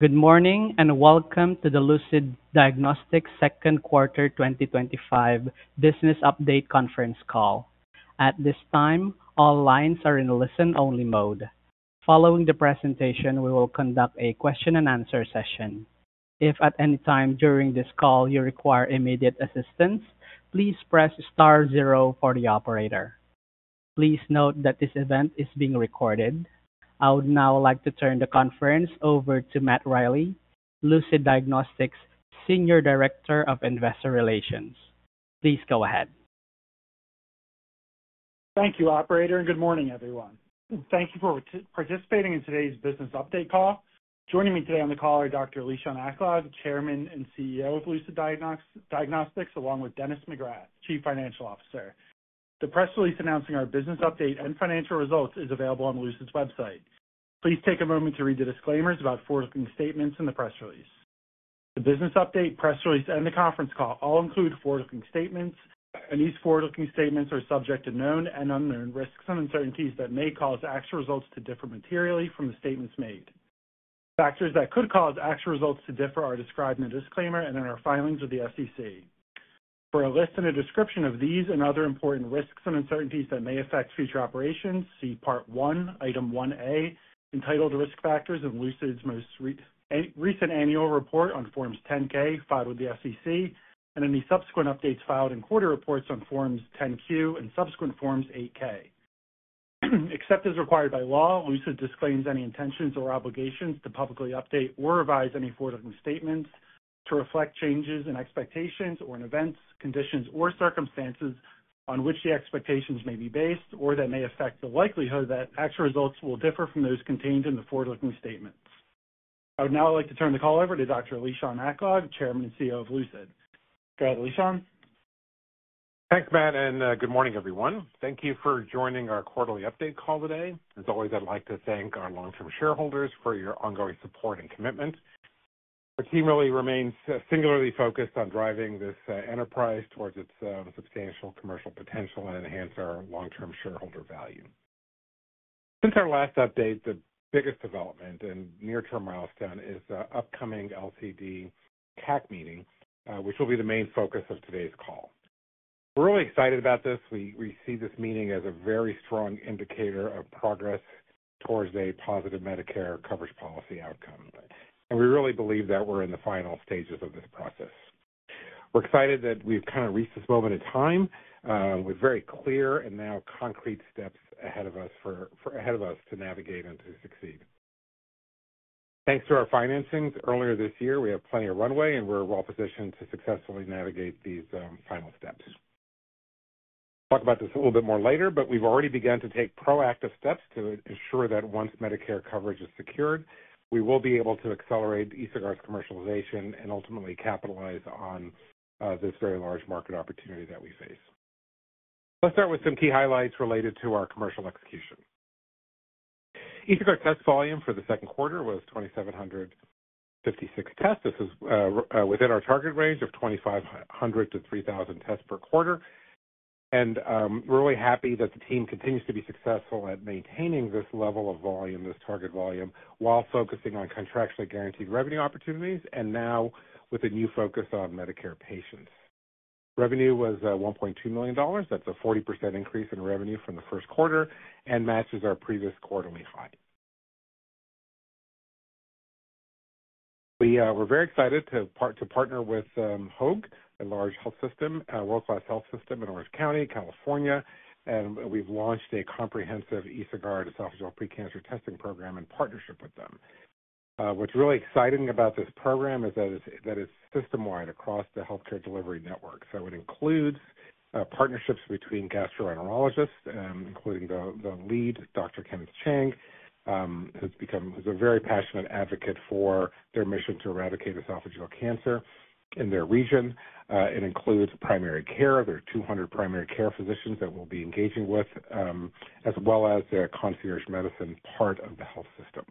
Good morning and welcome to the Lucid Diagnostics's Second Quarter 2025 Business Update Conference Call. At this time, all lines are in listen-only mode. Following the presentation, we will conduct a question-and-answer session. If at any time during this call you require immediate assistance, please press star zero for the operator. Please note that this event is being recorded. I would now like to turn the conference over to Matt Riley, Lucid Diagnostics's Senior Director of Investor Relations. Please go ahead. Thank you, operator, and good morning, everyone. Thank you for participating in today's business update call. Joining me today on the call are Dr. Lishan Aklog, Chairman and CEO of Lucid Diagnostics along with Dennis McGrath, Chief Financial Officer. The press release announcing our business update and financial results is available on Lucid's website. Please take a moment to read the disclaimers about forward-looking statements in the press release. The business update, press release, and the conference call all include forward-looking statements, and these forward-looking statements are subject to known and unknown risks and uncertainties that may cause actual results to differ materially from the statements made. Factors that could cause actual results to differ are described in the disclaimer and in our filings with the SEC. For a list and a description of these and other important risks and uncertainties that may affect future operations, see Part 1, Item 1A, entitled "Risk Factors in Lucid's Most Recent Annual Report on Forms 10-K filed with the SEC," and any subsequent updates filed in quarterly reports on Forms 10-Q and subsequent Forms 8-K. Except as required by law, Lucid disclaims any intentions or obligations to publicly update or revise any forward-looking statements to reflect changes in expectations or in events, conditions, or circumstances on which the expectations may be based or that may affect the likelihood that actual results will differ from those contained in the forward-looking statements. I would now like to turn the call over to Dr. Lishan Aklog, Chairman and CEO of Lucid. Go ahead, Lishan. Thanks, Matt, and good morning, everyone. Thank you for joining our quarterly update call today. As always, I'd like to thank our long-term shareholders for your ongoing support and commitment. Our team really remains singularly focused on driving this enterprise towards its substantial commercial potential and enhance our long-term shareholder value. Since our last update, the biggest development and near-term milestone is the upcoming LCD CAC meeting, which will be the main focus of today's call. We're really excited about this. We see this meeting as a very strong indicator of progress towards a positive Medicare coverage policy outcome. We really believe that we're in the final stages of this process. We're excited that we've kind of reached this moment in time with very clear and now concrete steps ahead of us to navigate and to succeed. Thanks to our financing earlier this year, we have plenty of runway and we're well positioned to successfully navigate these final steps. I'll talk about this a little bit more later, but we've already begun to take proactive steps to ensure that once Medicare coverage is secured, we will be able to accelerate EsoGuard commercialization and ultimately capitalize on this very large market opportunity that we face. Let's start with some key highlights related to our commercial execution. EsoGuard test volume for the second quarter was 2,756 tests. This is within our target range of 2,500-3,000 tests per quarter. We're really happy that the team continues to be successful at maintaining this level of volume, this target volume, while focusing on contractually guaranteed revenue opportunities and now with a new focus on Medicare patients. Revenue was $1.2 million. That's a 40% increase in revenue from the First Quarter and matches our previous quarterly high. We're very excited to partner with Hoag, a large health system, a world-class health system in Orange County, California, and we've launched a comprehensive EsoGuard esophageal precancer testing program in partnership with them. What's really exciting about this program is that it's system-wide across the healthcare delivery network. It includes partnerships between gastroenterologists, including the lead, Dr. Kenneth Chang, who's a very passionate advocate for their mission to eradicate esophageal cancer in their region. It includes primary care, their 200 primary care physicians that we'll be engaging with, as well as a concierge medicine part of the health system.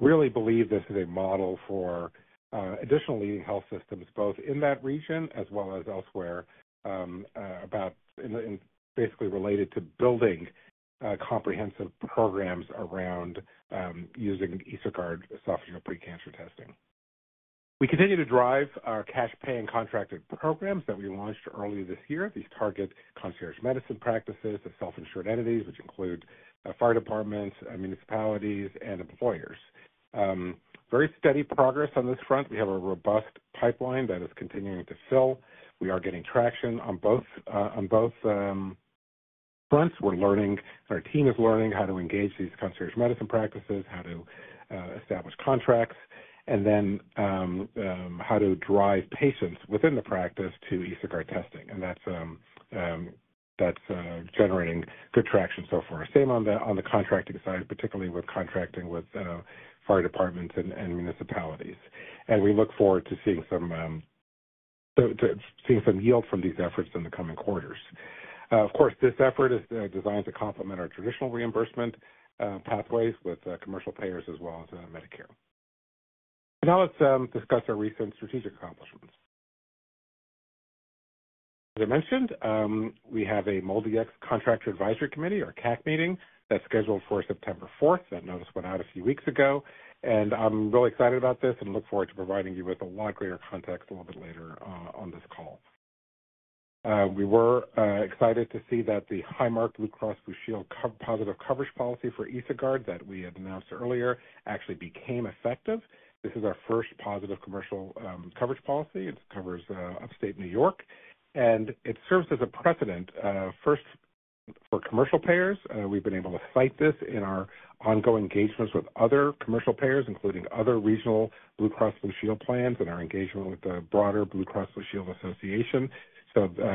Really believe this is a model for additional leading health systems, both in that region as well as elsewhere, basically related to building comprehensive programs around using esophageal precancer testing. We continue to drive our cash pay and contracted programs that we launched earlier this year. These target concierge medicine practices of self-insured entities, which include fire departments, municipalities, and employers. Very steady progress on this front. We have a robust pipeline that is continuing to fill. We are getting traction on both fronts. We're learning, our team is learning how to engage these concierge medicine practices, how to establish contracts, and then how to drive patients within the practice to esophageal testing. That's generating good traction so far. Same on the contracting side, particularly with contracting with fire departments and municipalities. We look forward to seeing some yield from these efforts in the coming quarters. Of course, this effort is designed to complement our traditional reimbursement pathways with commercial payers as well as Medicare. Now let's discuss our recent strategic accomplishments. As I mentioned, we have a MolDX Contractor Advisory Committee or CAC meeting that's scheduled for September 4th. That notice went out a few weeks ago. I'm really excited about this and look forward to providing you with a lot greater context a little bit later on this call. We were excited to see that the Highmark Blue Cross Blue Shield positive coverage policy for EsoGuard that we had announced earlier actually became effective. This is our first positive commercial coverage policy. It covers upstate New York. It serves as a precedent first for commercial payers. We've been able to cite this in our ongoing engagements with other commercial payers, including other regional Blue Cross Blue Shield plans and our engagement with the broader Blue Cross Blue Shield Association.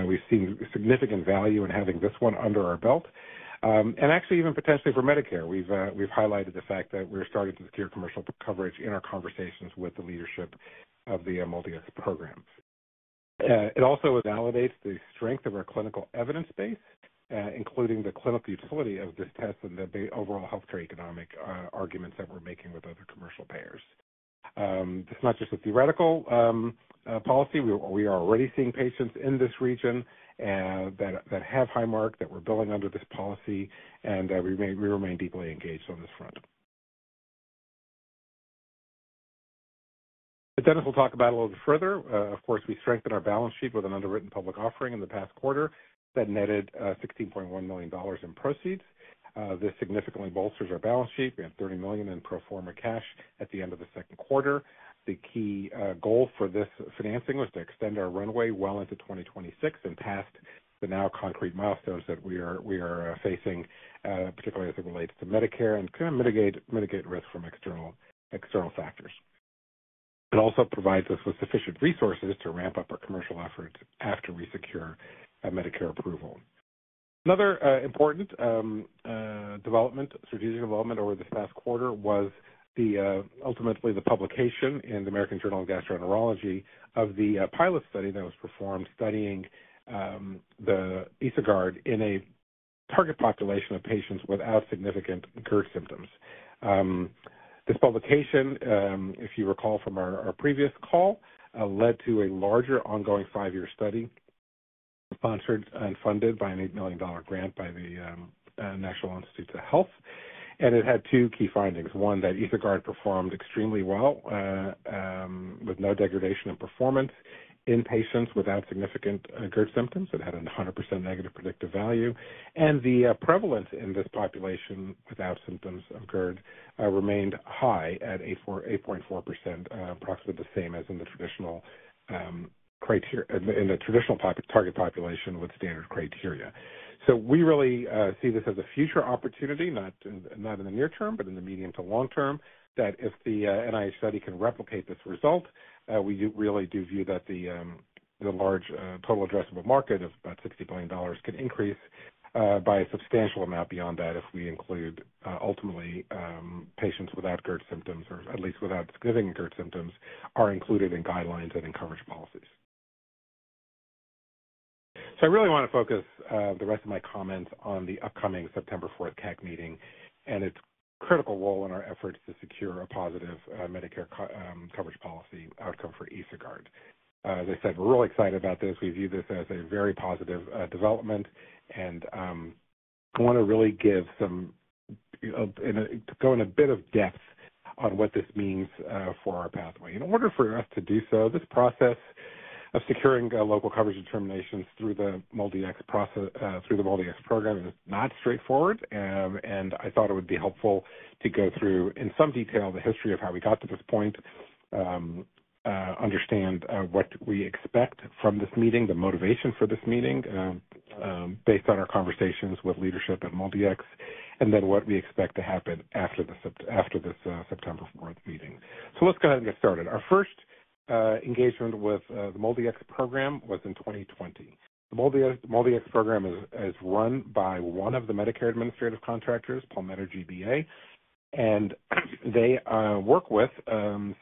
We've seen significant value in having this one under our belt. Actually, even potentially for Medicare, we've highlighted the fact that we're starting to secure commercial coverage in our conversations with the leadership of the MolDX programs. It also validates the strength of our clinical evidence base, including the clinical utility of this test and the overall healthcare economic arguments that we're making with other commercial payers. It's not just a theoretical policy. We are already seeing patients in this region that have Highmark that we're billing under this policy, and we remain deeply engaged on this front. Dennis will talk about it a little bit further. Of course, we strengthened our balance sheet with an underwritten public offering in the past quarter that netted $16.1 million in proceeds. This significantly bolsters our balance sheet. We have $30 million in pro forma cash at the end of the second quarter. The key goal for this financing was to extend our runway well into 2026 and past the now concrete milestones that we are facing, particularly as it relates to Medicare and to mitigate risk from external factors. It also provides us with sufficient resources to ramp up our commercial efforts after we secure Medicare approval. Another important development, strategic development over this past quarter, was ultimately the publication in the American Journal of Gastroenterology of the pilot study that was performed studying the EsoGuard in a target population of patients without significant GERD symptoms. This publication, if you recall from our previous call, led to a larger ongoing five-year study sponsored and funded by an $8 million grant by the National Institutes of Health. It had two key findings. One, that EsoGuard performed extremely well with no degradation in performance in patients without significant GERD symptoms. It had a 100% negative predictive value. The prevalence in this population without symptoms of GERD remained high at 8.4%, approximately the same as in the traditional target population with standard criteria. We really see this as a future opportunity, not in the near term, but in the medium to long term, that if the NIH study can replicate this result, we really do view that the large total addressable market of about $60 billion can increase by a substantial amount beyond that if we include ultimately patients without GERD symptoms or at least without significant GERD symptoms are included in guidelines and in coverage policies. I really want to focus the rest of my comments on the upcoming September 4th CAC meeting and its critical role in our effort to secure a positive Medicare coverage policy outcome for EsoGuard. As I said, we're really excited about this. We view this as a very positive development and want to really go in a bit of depth on what this means for our pathway. In order for us to do so, this process of securing local coverage determinations through the MolDX program is not straightforward. I thought it would be helpful to go through in some detail the history of how we got to this point, understand what we expect from this meeting, the motivation for this meeting based on our conversations with leadership at MolDX, and what we expect to happen after this September 4th meeting. Let's go ahead and get started. Our first engagement with the MolDX program was in 2020. The MolDX program is run by one of the Medicare administrative contractors, Palmetto GBA, and they work with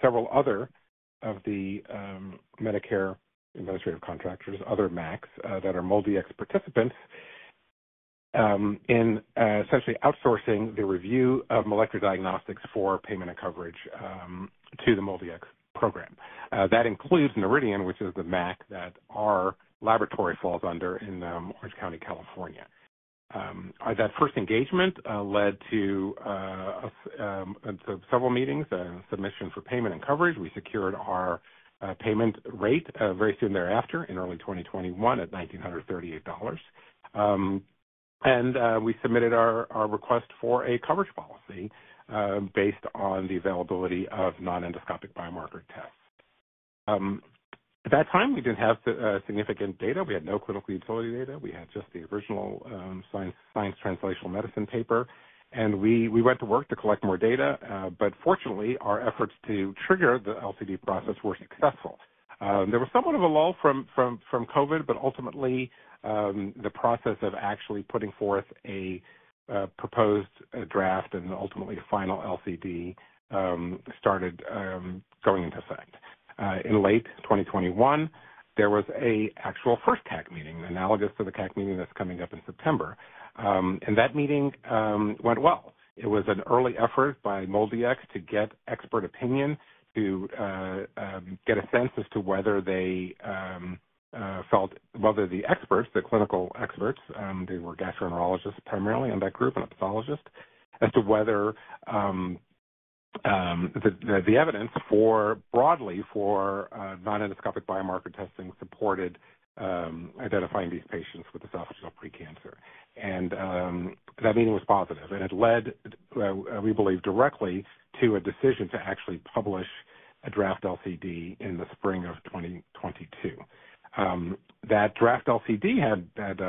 several other of the Medicare Administrative Contractors, other MACs that are MolDX participants, in essentially outsourcing the review of molecular diagnostics for payment and coverage to the MolDX program. That includes Noridian, which is the MAC that our laboratory falls under in Orange County, California. That first engagement led to several meetings, submissions for payment and coverage. We secured our payment rate very soon thereafter in early 2021 at $1,938. We submitted our request for a coverage policy based on the availability of non-endoscopic biomarker tests. At that time, we didn't have significant data. We had no clinical utility data. We had just the original Science Translational Medicine paper. We went to work to collect more data. Fortunately, our efforts to trigger the LCD process were successful. There was somewhat of a lull from COVID, but ultimately, the process of actually putting forth a proposed draft and ultimately a final LCD started going into effect. In late 2021, there was an actual first CAC meeting, analogous to the CAC meeting that's coming up in September. That meeting went well. It was an early effort by MolDX to get expert opinion, to get a sense as to whether the experts, the clinical experts, they were gastroenterologists primarily in that group and a pathologist, as to whether the evidence broadly for non-endoscopic biomarker testing supported identifying these patients with esophageal precancer. That meeting was positive. It led, we believe, directly to a decision to actually publish a draft LCD in the spring of 2022. That draft LCD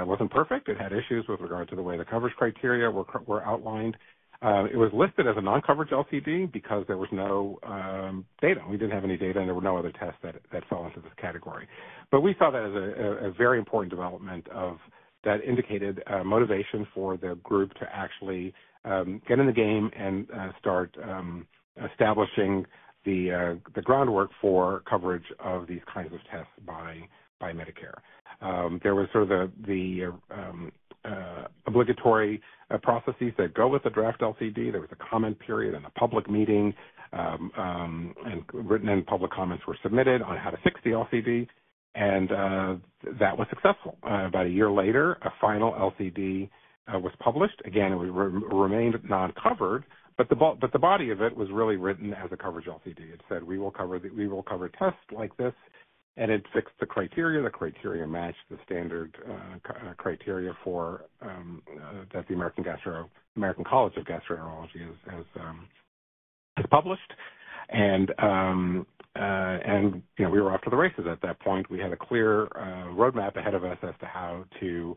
wasn't perfect. It had issues with regard to the way the coverage criteria were outlined. It was listed as a non-coverage LCD because there was no data. We didn't have any data, and there were no other tests that fell into this category. We saw that as a very important development that indicated motivation for the group to actually get in the game and start establishing the groundwork for coverage of these kinds of tests by Medicare. There were sort of the obligatory processes that go with a draft LCD. There was a comment period and a public meeting, and written and public comments were submitted on how to fix the LCD. That was successful. About a year later, a final LCD was published. Again, it remained non-covered, but the body of it was really written as a coverage LCD. It said, "We will cover tests like this." It fixed the criteria. The criteria matched the standard criteria that the American College of Gastroenterology has published. We were off to the races at that point. We had a clear roadmap ahead of us as to how to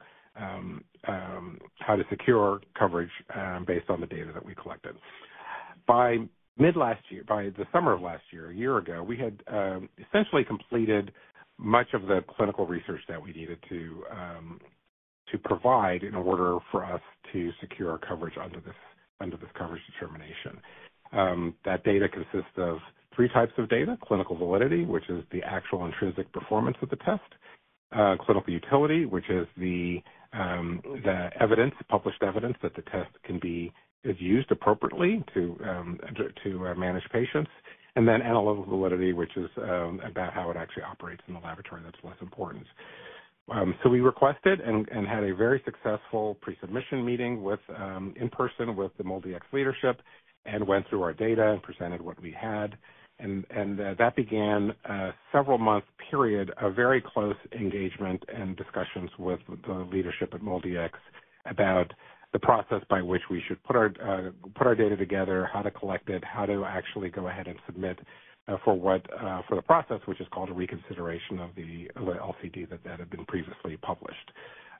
secure coverage based on the data that we collected. By mid-last year, by the summer of last year, a year ago, we had essentially completed much of the clinical research that we needed to provide in order for us to secure coverage under this coverage determination. That data consists of three types of data: clinical validity, which is the actual intrinsic performance of the test; clinical utility, which is the published evidence that the test can be used appropriately to manage patients; and then analytical validity, which is about how it actually operates in the laboratory. That's less important. We requested and had a very successful pre-submission meeting in person with the MolDX leadership and went through our data and presented what we had. That began a several-month period of very close engagement and discussions with the leadership at MolDX about the process by which we should put our data together, how to collect it, how to actually go ahead and submit for the process, which is called a reconsideration of the LCD that had been previously published.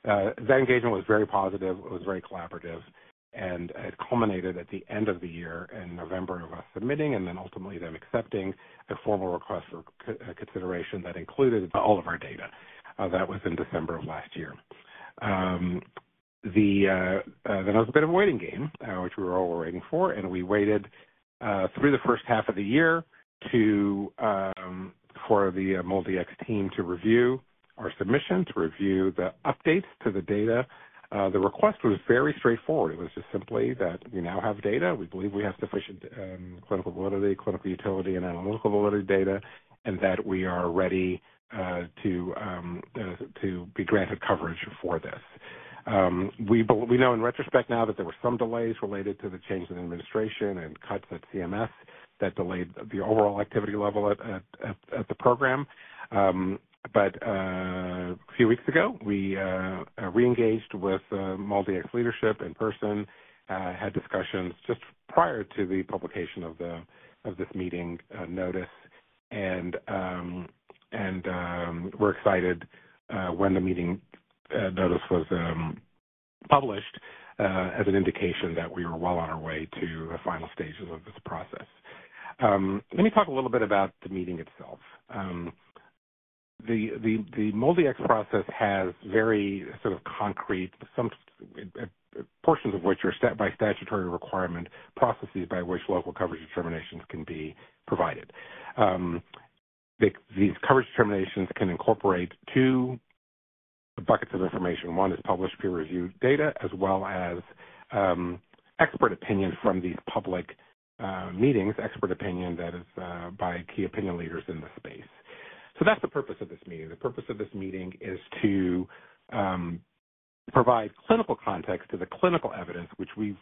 That engagement was very positive. It was very collaborative. It culminated at the end of the year in November of us submitting and then ultimately them accepting a formal request for consideration that included all of our data. That was in December of last year. It was a bit of a waiting game, which we were all waiting for. We waited through the first half of the year for the MolDX team to review our submission, to review the updates to the data. The request was very straightforward. It was just simply that we now have data. We believe we have sufficient clinical validity, clinical utility, and analytical validity data, and that we are ready to be granted coverage for this. We know in retrospect now that there were some delays related to the change in administration and cuts at CMS that delayed the overall activity level at the program. A few weeks ago, we re-engaged with MolDX leadership in person, had discussions just prior to the publication of this meeting notice. We were excited when the meeting notice was published as an indication that we were well on our way to the final stages of this process. Let me talk a little bit about the meeting itself. The MolDX process has very sort of concrete portions of which are by statutory requirement processes by which local coverage determinations can be provided. These coverage determinations can incorporate two buckets of information. One is published peer-reviewed data, as well as expert opinion from these public meetings, expert opinion that is by key opinion leaders in the space. That is the purpose of this meeting. The purpose of this meeting is to provide clinical context to the clinical evidence, which we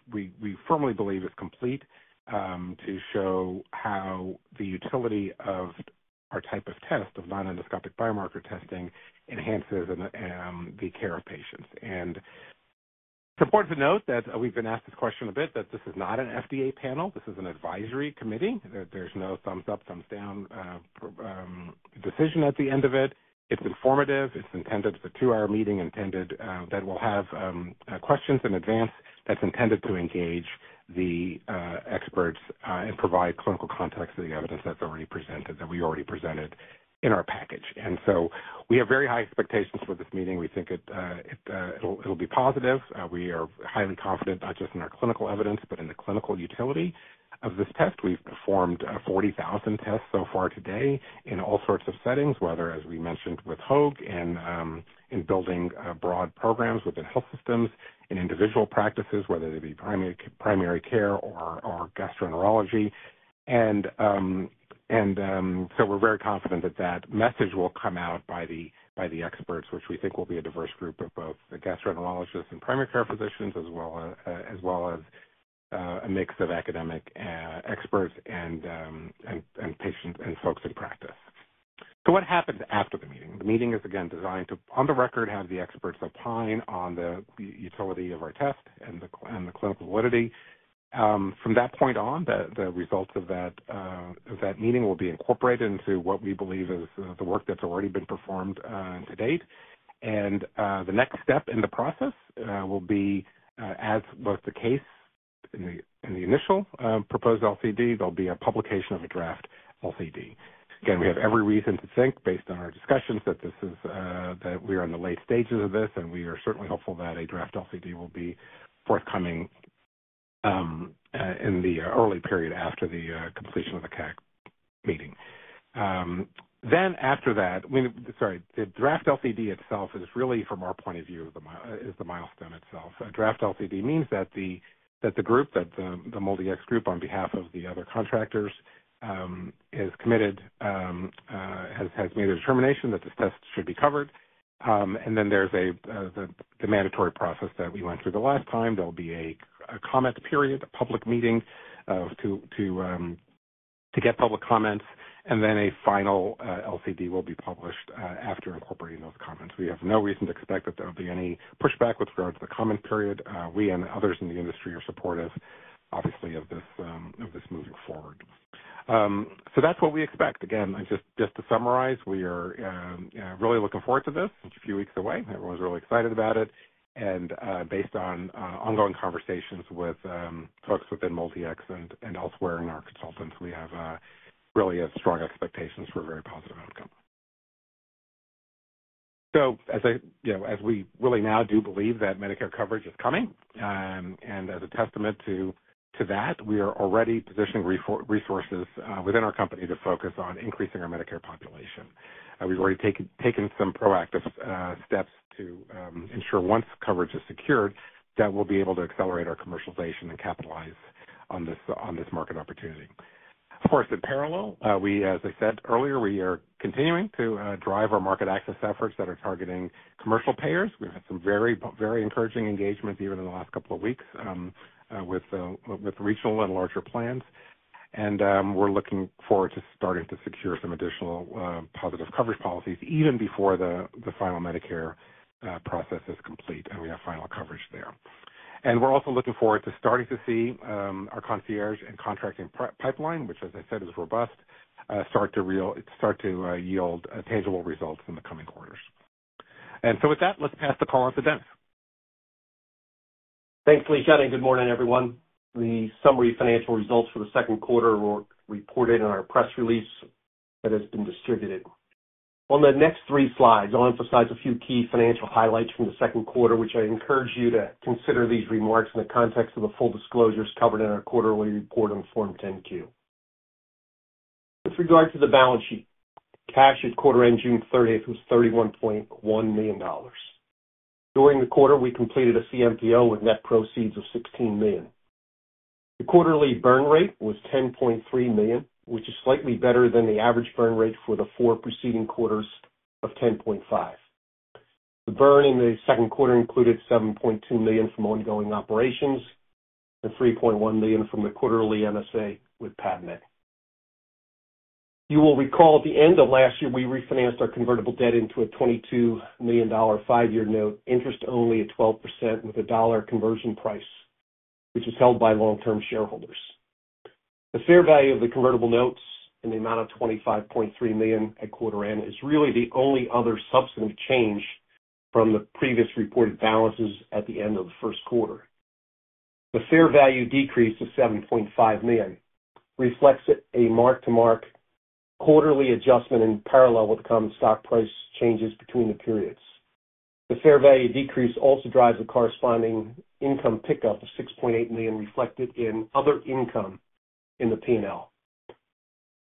firmly believe is complete, to show how the utility of our type of test of non-endoscopic biomarker testing enhances the care of patients. It is important to note that we've been asked this question a bit, that this is not an FDA panel. This is an advisory committee. There is no thumbs up, thumbs down decision at the end of it. It is informative. It is intended. It is a two-hour meeting intended that will have questions in advance that's intended to engage the experts and provide clinical context to the evidence that's already presented, that we already presented in our package. We have very high expectations for this meeting. We think it'll be positive. We are highly confident not just in our clinical evidence, but in the clinical utility of this test. We've performed 40,000 tests so far today in all sorts of settings, whether, as we mentioned with Hoag and in building broad programs within health systems and individual practices, whether they be primary care or gastroenterology. We are very confident that that message will come out by the experts, which we think will be a diverse group of both gastroenterologists and primary care physicians, as well as a mix of academic experts and patients and folks in practice. What happens after the meeting? The meeting is, again, designed to, on the record, have the experts opine on the utility of our test and the clinical validity. From that point on, the results of that meeting will be incorporated into what we believe is the work that's already been performed to date. The next step in the process will be, as was the case in the initial proposed LCD, there'll be a publication of a draft LCD. We have every reason to think, based on our discussions, that we are in the late stages of this, and we are certainly hopeful that a draft LCD will be forthcoming in the early period after the completion of the CAC meeting. The draft LCD itself is really, from our point of view, the milestone itself. A draft LCD means that the group, that the MolDX group on behalf of the other contractors, is committed, has made a determination that this test should be covered. There is the mandatory process that we went through the last time. There'll be a comment period, a public meeting to get public comments, and a final LCD will be published after incorporating those comments. We have no reason to expect that there'll be any pushback with regard to the comment period. We and others in the industry are supportive, obviously, of this moving forward. That's what we expect. Just to summarize, we are really looking forward to this. It's a few weeks away. Everyone's really excited about it. Based on ongoing conversations with folks within MolDX and elsewhere in our consultants, we have really strong expectations for a very positive outcome. We really now do believe that Medicare coverage is coming, and as a testament to that, we are already positioning resources within our company to focus on increasing our Medicare population. We've already taken some proactive steps to ensure once coverage is secured, that we'll be able to accelerate our commercialization and capitalize on this market opportunity. Of course, in parallel, as I said earlier, we are continuing to drive our market access efforts that are targeting commercial payers. We've had some very, very encouraging engagements even in the last couple of weeks with regional and larger plans. We're looking forward to starting to secure some additional positive coverage policies even before the final Medicare process is complete and we have final coverage there. We're also looking forward to starting to see our concierge and contracting pipeline, which, as I said, is robust, start to yield tangible results in the coming quarters. With that, let's pass the call on to Dennis. Thanks, Lishan. Good morning, everyone. The summary financial results for the second quarter were reported in our press release that has been distributed. On the next three slides, I'll emphasize a few key financial highlights from the second quarter. I encourage you to consider these remarks in the context of the full disclosures covered in our quarterly report on Form 10-Q. With regard to the balance sheet, cash at quarter end June 30th was $31.1 million. During the quarter, we completed a CMPO with net proceeds of $16 million. The quarterly burn rate was $10.3 million, which is slightly better than the average burn rate for the four preceding quarters of $10.5 million. The burn in the second quarter included $7.2 million from ongoing operations and $3.1 million from the quarterly MSA with PADMet. You will recall at the end of last year, we refinanced our convertible debt into a $22 million five-year note, interest only at 12% with a $1 conversion price, which is held by long-term shareholders. The fair value of the convertible notes in the amount of $25.3 million at quarter end is really the only other substantive change from the previously reported balances at the end of the First Quarter. The fair value decrease of $7.5 million reflects a mark-to-market quarterly adjustment in parallel with the common stock price changes between the periods. The fair value decrease also drives a corresponding income pickup of $6.8 million reflected in other income in the P&L.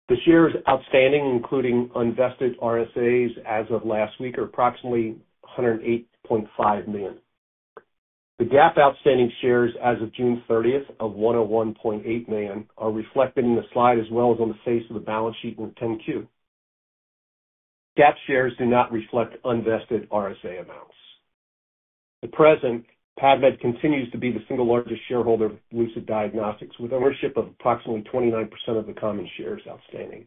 The shares outstanding, including unvested RSAs as of last week, are approximately $108.5 million. The GAAP outstanding shares as of June 30th of $101.8 million are reflected in the slide as well as on the face of the balance sheet with the 10-Q. GAAP shares do not reflect unvested RSA amounts. At present, PADMet continues to be the single largest shareholder of Lucid Diagnostics with ownership of approximately 29% of the common shares outstanding.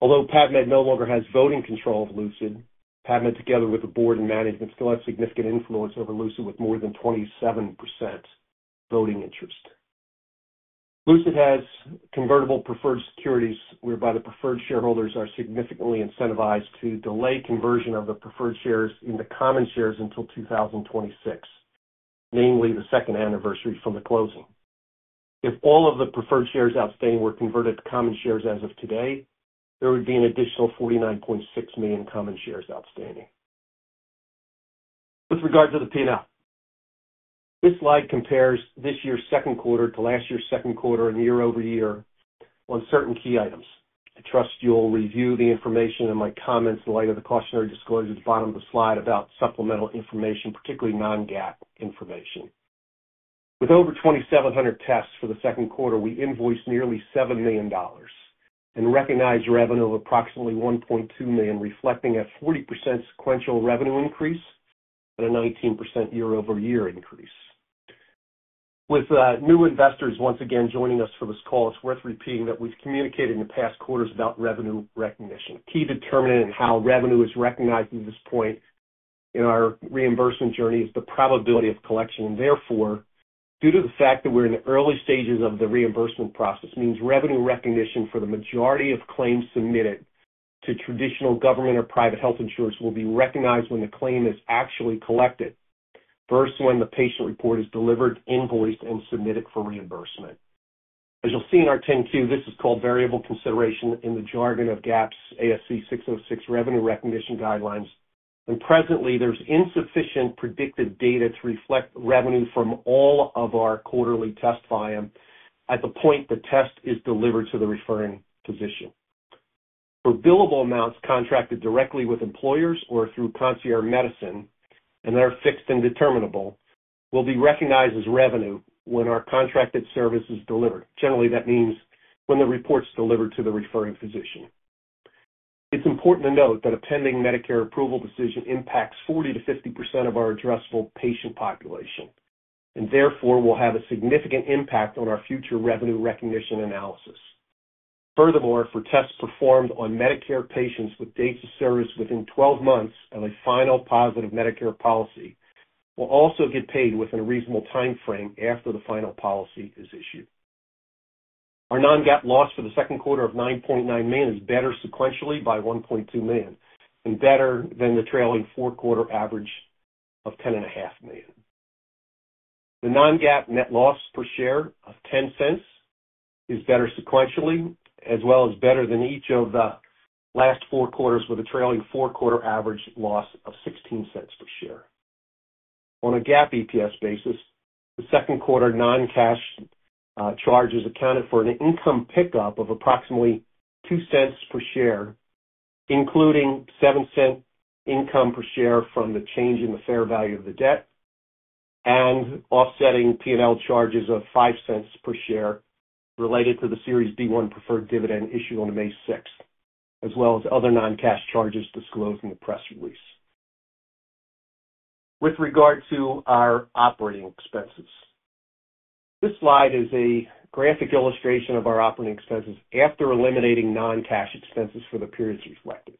Although PADMet no longer has voting control of Lucid, PADMet, together with the board and management, still has significant influence over Lucid with more than 27% voting interest. Lucid has convertible preferred securities whereby the preferred shareholders are significantly incentivized to delay conversion of the preferred shares into common shares until 2026, namely the second anniversary from the closing. If all of the preferred shares outstanding were converted to common shares as of today, there would be an additional $49.6 million common shares outstanding. With regard to the P&L, this slide compares this year's second quarter to last year's second quarter and year-over-year on certain key items. I trust you will review the information in my comments in light of the cautionary disclosure at the bottom of the slide about supplemental information, particularly non-GAAP information. With over 2,700 tests for the second quarter, we invoiced nearly $7 million and recognized revenue of approximately $1.2 million, reflecting a 40% sequential revenue increase and a 19% year-over-year increase. With new investors once again joining us for this call, it's worth repeating that we've communicated in the past quarters about revenue recognition. The key determinant in how revenue is recognized at this point in our reimbursement journey is the probability of collection. Therefore, due to the fact that we're in the early stages of the reimbursement process, it means revenue recognition for the majority of claims submitted to traditional government or private health insurance will be recognized when the claim is actually collected, versus when the patient report is delivered, invoiced, and submitted for reimbursement. As you'll see in our 10-Q, this is called variable consideration in the jargon of GAAP's ASC 606 revenue recognition guidelines. Presently, there's insufficient predictive data to reflect revenue from all of our quarterly test volume at the point the test is delivered to the referring physician. For billable amounts contracted directly with employers or through concierge medicine, and they're fixed and determinable, revenue will be recognized when our contracted service is delivered. Generally, that means when the report's delivered to the referring physician. It's important to note that a pending Medicare approval decision impacts 40% to 50% of our addressable patient population. Therefore, it will have a significant impact on our future revenue recognition analysis. Furthermore, for tests performed on Medicare patients with dates of service within 12 months of a final positive Medicare policy, we'll also get paid within a reasonable time frame after the final policy is issued. Our non-GAAP loss for the second quarter of $9.9 million is better sequentially by $1.2 million and better than the trailing four-quarter average of $10.5 million. The non-GAAP net loss per share of $0.10 is better sequentially, as well as better than each of the last four quarters with a trailing four-quarter average loss of $0.16 per share. On a GAAP EPS basis, the second quarter non-cash charges accounted for an income pickup of approximately $0.02 per share, including $0.07 income per share from the change in the fair value of the debt and offsetting P&L charges of $0.05 per share related to the Series B1 preferred dividend issued on May 6th, as well as other non-cash charges disclosed in the press release. With regard to our operating expenses, this slide is a graphic illustration of our operating expenses after eliminating non-cash expenses for the periods reflected.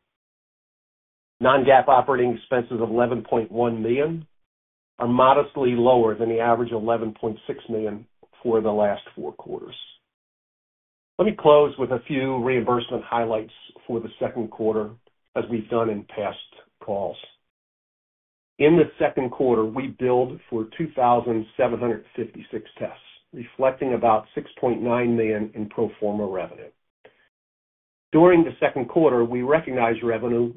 Non-GAAP operating expenses of $11.1 million are modestly lower than the average of $11.6 million for the last four quarters. Let me close with a few reimbursement highlights for the second quarter, as we've done in past calls. In the second quarter, we billed for 2,756 tests, reflecting about $6.9 million in pro forma revenue. During the second quarter, we recognized revenue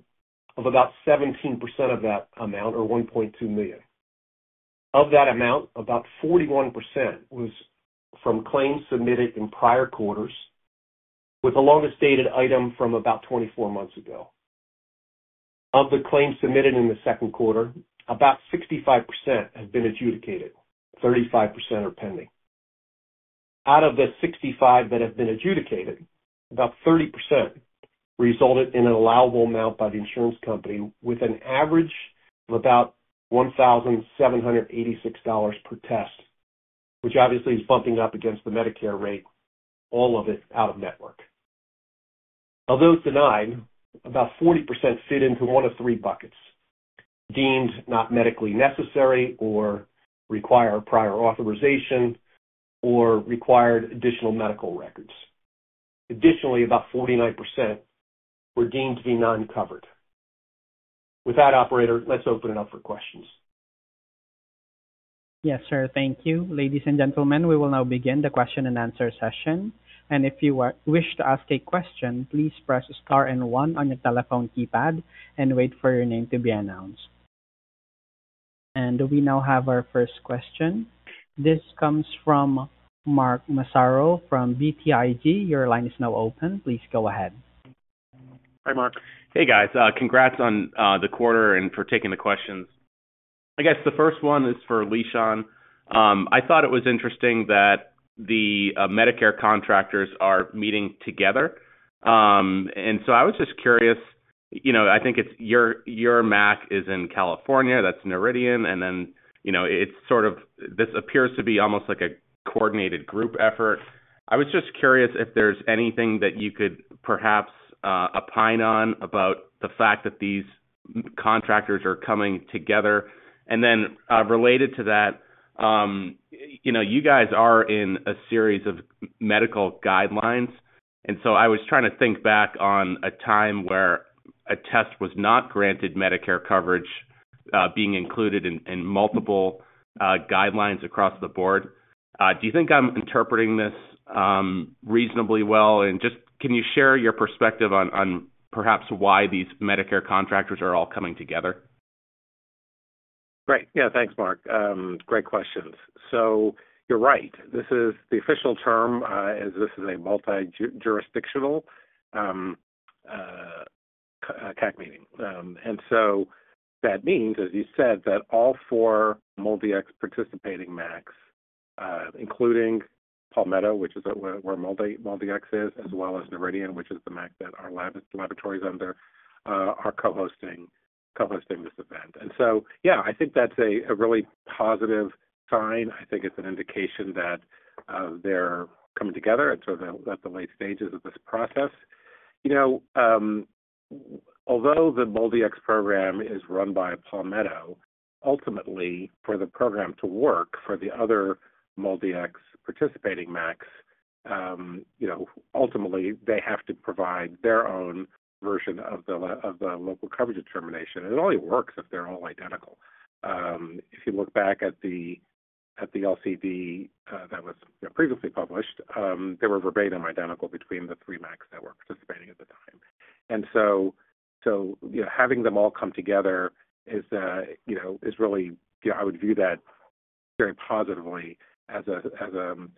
of about 17% of that amount, or $1.2 million. Of that amount, about 41% was from claims submitted in prior quarters, with the longest dated item from about 24 months ago. Of the claims submitted in the second quarter, about 65% have been adjudicated. 35% are pending. Out of the 65% that have been adjudicated, about 30% resulted in an allowable amount by the insurance company with an average of about $1,786 per test, which obviously is bumping up against the Medicare rate, all of it out of network. Of those denied, about 40% fit into one of three buckets: deemed not medically necessary or require prior authorization or required additional medical records. Additionally, about 49% were deemed to be non-covered. With that, operator, let's open it up for questions. Yes, sir. Thank you. Ladies and gentlemen, we will now begin the question and answer session. If you wish to ask a question, please press star and one on your telephone keypad and wait for your name to be announced. We now have our first question. This comes from Mark Massaro from BTIG. Your line is now open. Please go ahead. Hi, Mark. Hey, guys. Congrats on the quarter and for taking the questions. I guess the first one is for Lishan. I thought it was interesting that the Medicare contractors are meeting together. I was just curious, you know, I think it's your MAC is in California. That's Meridian. It sort of appears to be almost like a coordinated group effort. I was just curious if there's anything that you could perhaps opine on about the fact that these contractors are coming together. Related to that, you guys are in a series of medical guidelines. I was trying to think back on a time where a test was not granted Medicare coverage being included in multiple guidelines across the board. Do you think I'm interpreting this reasonably well? Can you share your perspective on perhaps why these Medicare contractors are all coming together? Right. Yeah, thanks, Mark. Great questions. You're right. The official term is this is a multi-jurisdictional CAC meeting. That means, as you said, that all four MolDX participating MACs, including Palmetto, which is where MolDX is, as well as Meridian, which is the MAC that our laboratories are under, are co-hosting this event. I think that's a really positive sign. I think it's an indication that they're coming together. It's sort of at the late stages of this process. Although the MolDX program is run by Palmetto, ultimately, for the program to work for the other MolDX participating MACs, they have to provide their own version of the local coverage determination. It only works if they're all identical. If you look back at the LCD that was previously published, they were verbatim identical between the three MACs that were participating at the time. Having them all come together is, I would view that very positively as a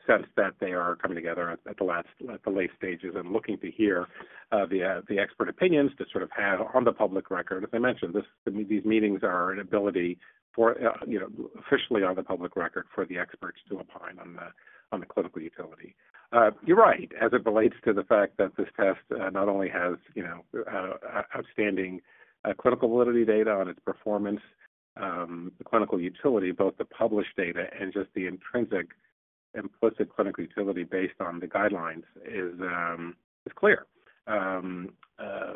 sense that they are coming together at the late stages and looking to hear the expert opinions to have on the public record. As I mentioned, these meetings are an ability for, officially on the public record, for the experts to opine on the clinical utility. You're right. As it relates to the fact that this test not only has outstanding clinical validity data on its performance, the clinical utility, both the published data and just the intrinsic implicit clinical utility based on the guidelines, is clear.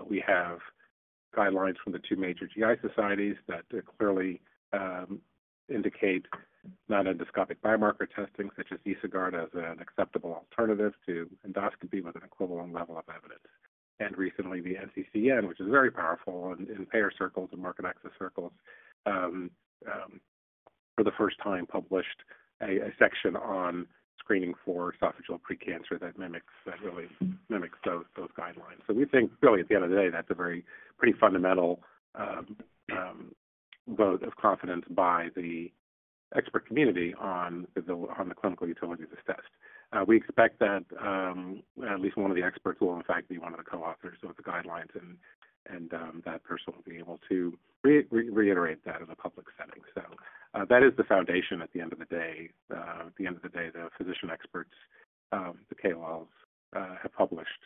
We have guidelines from the two major GI societies that clearly indicate non-endoscopic biomarker testing such as EsoGuard as an acceptable alternative to endoscopy with an equivalent level of evidence. Recently, the NCCN, which is very powerful in payer circles and market access circles, for the first time published a section on screening for esophageal precancer that really mimics those guidelines. We think at the end of the day, that's a pretty fundamental vote of confidence by the expert community on the clinical utility of this test. We expect that at least one of the experts will, in fact, be one of the co-authors of the guidelines, and that person will be able to reiterate that in a public setting. That is the foundation at the end of the day. At the end of the day, the physician experts, the KOLs, have published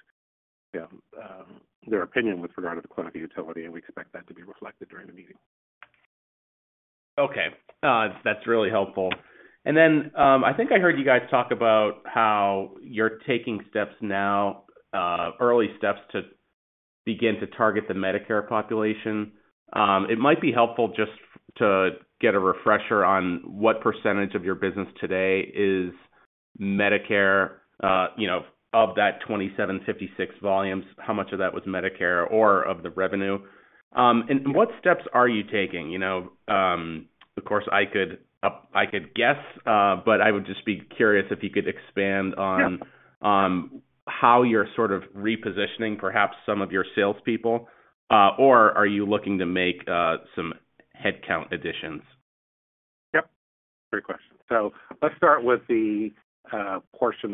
their opinion with regard to the clinical utility, and we expect that to be reflected during the meeting. Okay. That's really helpful. I think I heard you guys talk about how you're taking steps now, early steps to begin to target the Medicare population. It might be helpful just to get a refresher on what % of your business today is Medicare. You know, of that 2,756 volumes, how much of that was Medicare or of the revenue? What steps are you taking? Of course, I could guess, but I would just be curious if you could expand on how you're sort of repositioning perhaps some of your salespeople, or are you looking to make some headcount additions? Great question. Let's start with the target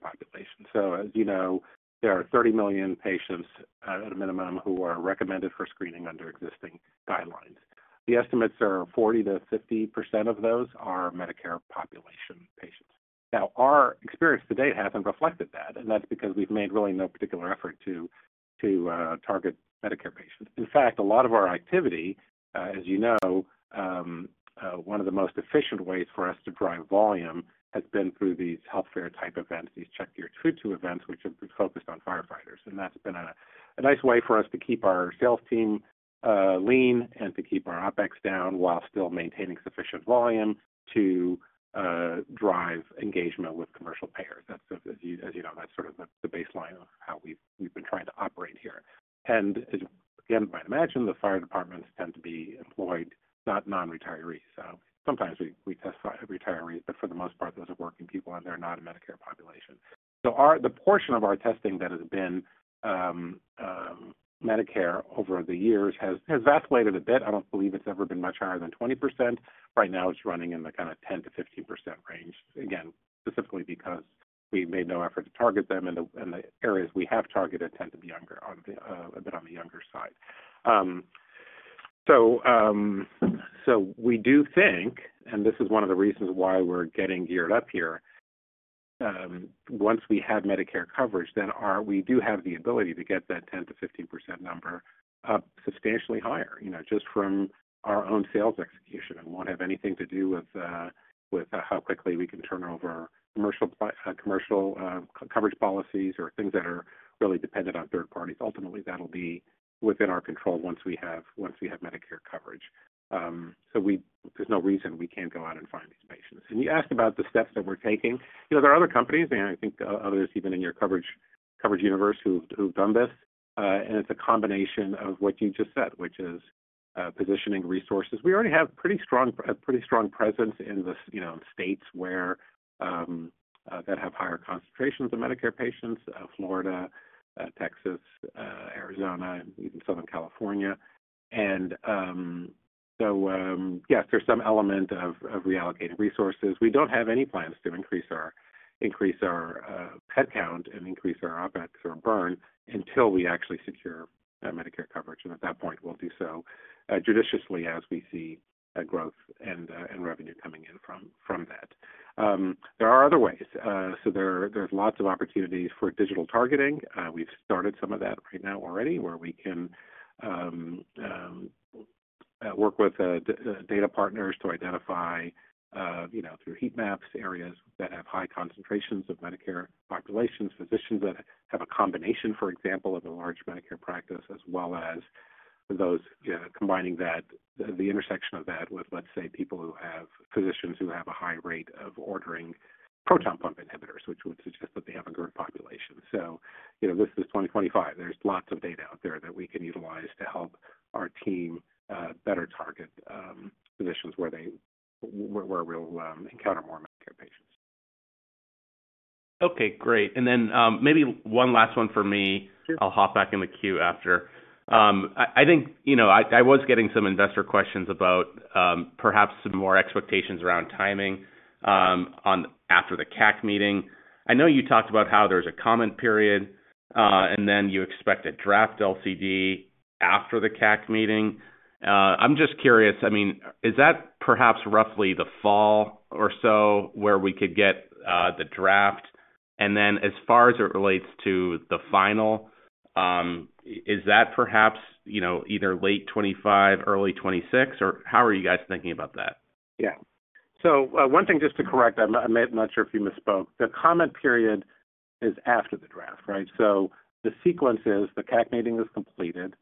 population. As you know, there are 30 million patients at a minimum who are recommended for screening under existing guidelines. The estimates are 40% to 50% of those are Medicare population patients. Our experience to date hasn't reflected that, and that's because we've made really no particular effort to target Medicare patients. In fact, a lot of our activity, as you know, one of the most efficient ways for us to drive volume has been through these healthcare type events, these check your true to events, which have been focused on firefighters. That's been a nice way for us to keep our sales team lean and to keep our OpEx down while still maintaining sufficient volume to drive engagement with commercial payers. As you know, that's sort of the baseline of how we've been trying to operate here. As you might imagine, the fire departments tend to be employed, not non-retirees. Sometimes we test retirees, but for the most part, those are working people, and they're not a Medicare population. The portion of our testing that has been Medicare over the years has vacillated a bit. I don't believe it's ever been much higher than 20%. Right now, it's running in the kind of 10%-15% range, again, specifically because we've made no effort to target them, and the areas we have targeted tend to be a bit on the younger side. We do think, and this is one of the reasons why we're getting geared up here, once we have Medicare coverage, then we do have the ability to get that 10%-15% number up substantially higher, just from our own sales execution and won't have anything to do with how quickly we can turn over commercial coverage policies or things that are really dependent on third parties. Ultimately, that'll be within our control once we have Medicare coverage. There's no reason we can't go out and find these patients. You asked about the steps that we're taking. There are other companies, and I think others even in your coverage universe who've done this. It's a combination of what you just said, which is positioning resources. We already have a pretty strong presence in the states that have higher concentrations of Medicare patients: Florida, Texas, Arizona, and even Southern California. Yes, there's some element of reallocating resources. We don't have any plans to increase our headcount and increase our OpEx or burn until we actually secure Medicare coverage. At that point, we'll do so judiciously as we see growth and revenue coming in from that. There are other ways. There's lots of opportunities for digital targeting. We've started some of that right now already, where we can work with data partners to identify, you know, through heat maps, areas that have high concentrations of Medicare populations, physicians that have a combination, for example, of a large Medicare practice, as well as those combining that, the intersection of that with, let's say, people who have physicians who have a high rate of ordering proton pump inhibitors, which would suggest that they have a GERD population. This is 2025. There's lots of data out there that we can utilize to help our team better target positions where we'll encounter more Medicare patients. Okay. Great. Maybe one last one for me. I'll hop back in the queue after. I think, you know, I was getting some investor questions about perhaps some more expectations around timing after the CAC meeting. I know you talked about how there's a comment period, and then you expect a draft LCD after the CAC meeting. I'm just curious, I mean, is that perhaps roughly the fall or so where we could get the draft? As far as it relates to the final, is that perhaps, you know, either late 2025, early 2026, or how are you guys thinking about that? One thing just to correct, I'm not sure if you misspoke. The comment period is after the draft, right? The sequence is the CAC meeting is completed.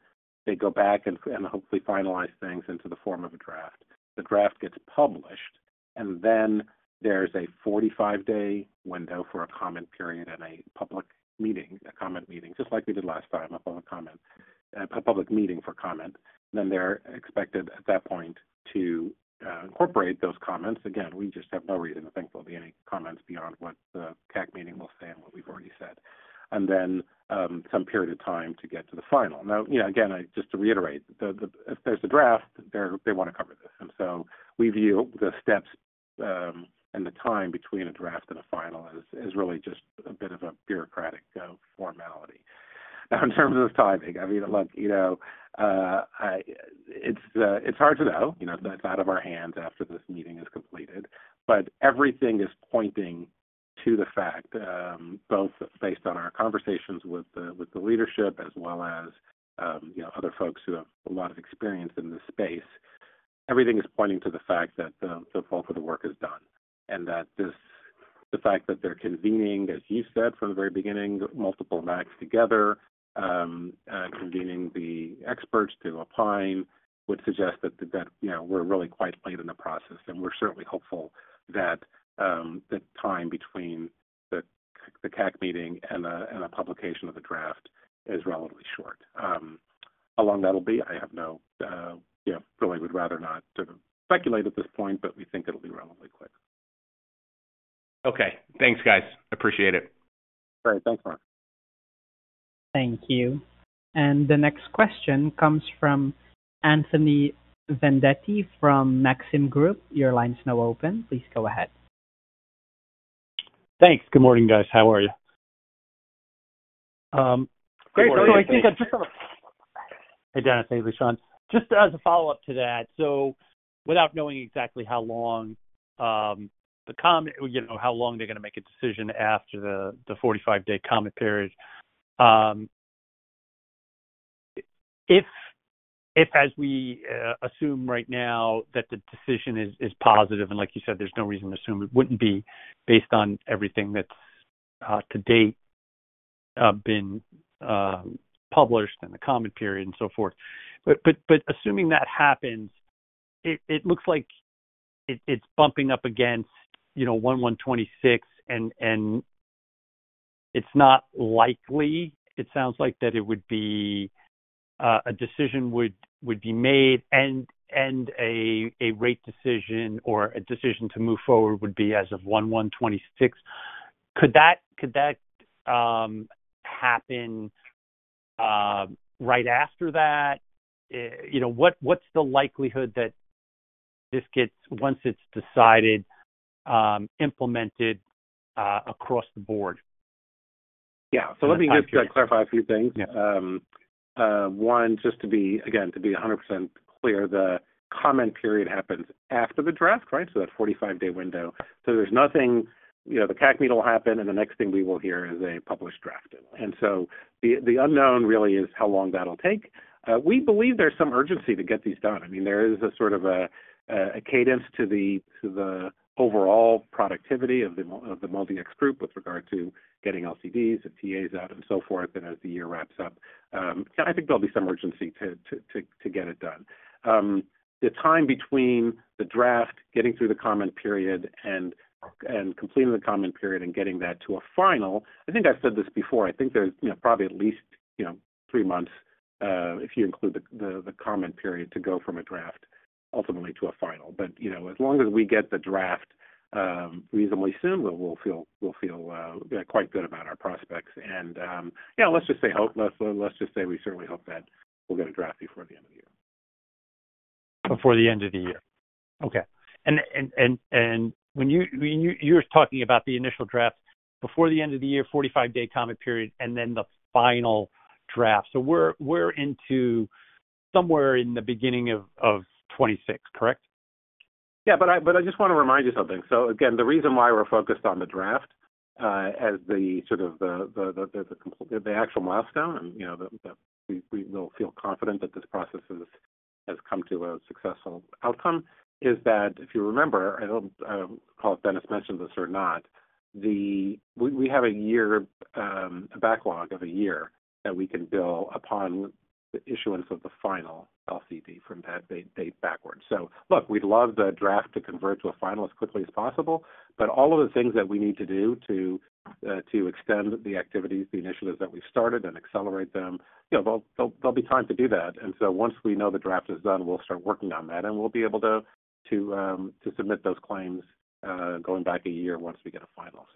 They go back and hopefully finalize things into the form of a draft. The draft gets published, and then there's a 45-day window for a comment period and a public meeting, a comment meeting, just like we did last time, a public comment, a public meeting for comment. They're expected at that point to incorporate those comments. We just have no reason, thankfully, any comments beyond what the CAC meeting will say and what we've already said. Then some period of time to get to the final. Now, just to reiterate, if there's a draft, they want to cover this. We view the steps and the time between a draft and a final as really just a bit of a bureaucratic formality. In terms of timing, I mean, look, it's hard to know. That's out of our hands after this meeting is completed. Everything is pointing to the fact, both based on our conversations with the leadership as well as other folks who have a lot of experience in this space. Everything is pointing to the fact that the bulk of the work is done. The fact that they're convening, as you said from the very beginning, multiple MACs together, convening the experts to opine would suggest that we're really quite late in the process. We're certainly hopeful that the time between the CAC meeting and the publication of the draft is relatively short. How long that'll be, I have no, really would rather not sort of speculate at this point, but we think it'll be relatively quick. Okay, thanks, guys. Appreciate it. All right. Thanks, Matt. Thank you. The next question comes from Anthony Vendetti from Maxim Group. Your line's now open. Please go ahead. Thanks. Good morning, guys. How are you? Great. I think I'm just on a... Hey, Dennis. Hey, Lishan. Just as a follow-up to that. Without knowing exactly how long the comment, you know, how long they're going to make a decision after the 45-day comment period, if, as we assume right now, that the decision is positive, and like you said, there's no reason to assume it wouldn't be based on everything that's to date been published and the comment period and so forth. Assuming that happens, it looks like it's bumping up against, you know, 1,126, and it's not likely. It sounds like that it would be a decision would be made and a rate decision or a decision to move forward would be as of 1,126. Could that happen right after that? What's the likelihood that this gets once it's decided, implemented across the board? Let me just clarify a few things. One, just to be, again, to be 100% clear, the comment period happens after the draft, right? That 45-day window. There's nothing, you know, the CAC meeting will happen, and the next thing we will hear is a published draft. The unknown really is how long that'll take. We believe there's some urgency to get these done. I mean, there is a sort of a cadence to the overall productivity of the MolDX group with regard to getting LCDs and TAs out and so forth. As the year wraps up, I think there'll be some urgency to get it done. The time between the draft, getting through the comment period, and completing the comment period and getting that to a final, I think I've said this before. I think there's, you know, probably at least, you know, three months if you include the comment period to go from a draft ultimately to a final. As long as we get the draft reasonably soon, we'll feel quite good about our prospects. Let's just say we certainly hope that we'll get a draft before the end of the year. Before the end of the year. Okay. When you were talking about the initial draft before the end of the year, 45-day comment period, and then the final draft, we're into somewhere in the beginning of 2026, correct? Yeah, I just want to remind you of something. The reason why we're focused on the draft as the actual milestone, and why we will feel confident that this process has come to a successful outcome, is that if you remember, I don't know if Dennis mentioned this or not, we have a backlog of a year that we can bill upon the issuance of the final LCD from that date backwards. We'd love the draft to convert to a final as quickly as possible, but all of the things that we need to do to extend the activities, the initiatives that we've started and accelerate them, there'll be time to do that. Once we know the draft is done, we'll start working on that, and we'll be able to submit those claims going back a year once we get a final.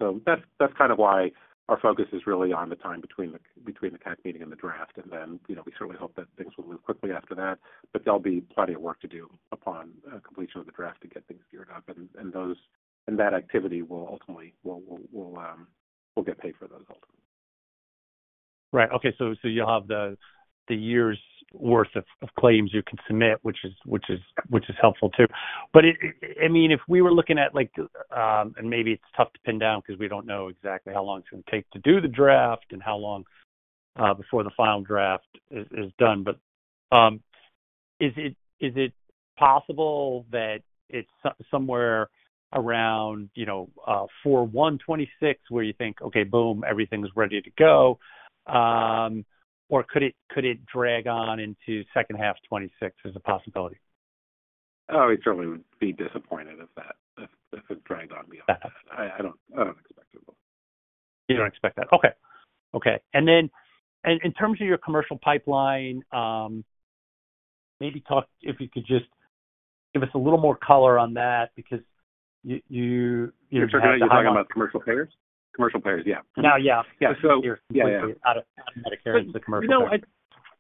That's kind of why our focus is really on the time between the CAC meeting and the draft. We certainly hope that things will move quickly after that. There'll be plenty of work to do upon completion of the draft to get things geared up, and that activity will ultimately, we'll get paid for those ultimately. Right. Okay. You'll have the year's worth of claims you can submit, which is helpful too. If we were looking at, like, and maybe it's tough to pin down because we don't know exactly how long it's going to take to do the draft and how long before the final draft is done, is it possible that it's somewhere around 4/1/2026 where you think, "Okay, boom, everything's ready to go"? Could it drag on into second half 2026 as a possibility? We'd certainly be disappointed if it dragged on beyond that. I don't expect it, though. You don't expect that. Okay. In terms of your commercial pipeline, maybe talk if you could just give us a little more color on that because you're talking about commercial payers? Commercial payers, yeah. Yeah, you're completely out of Medicare into commercial payers.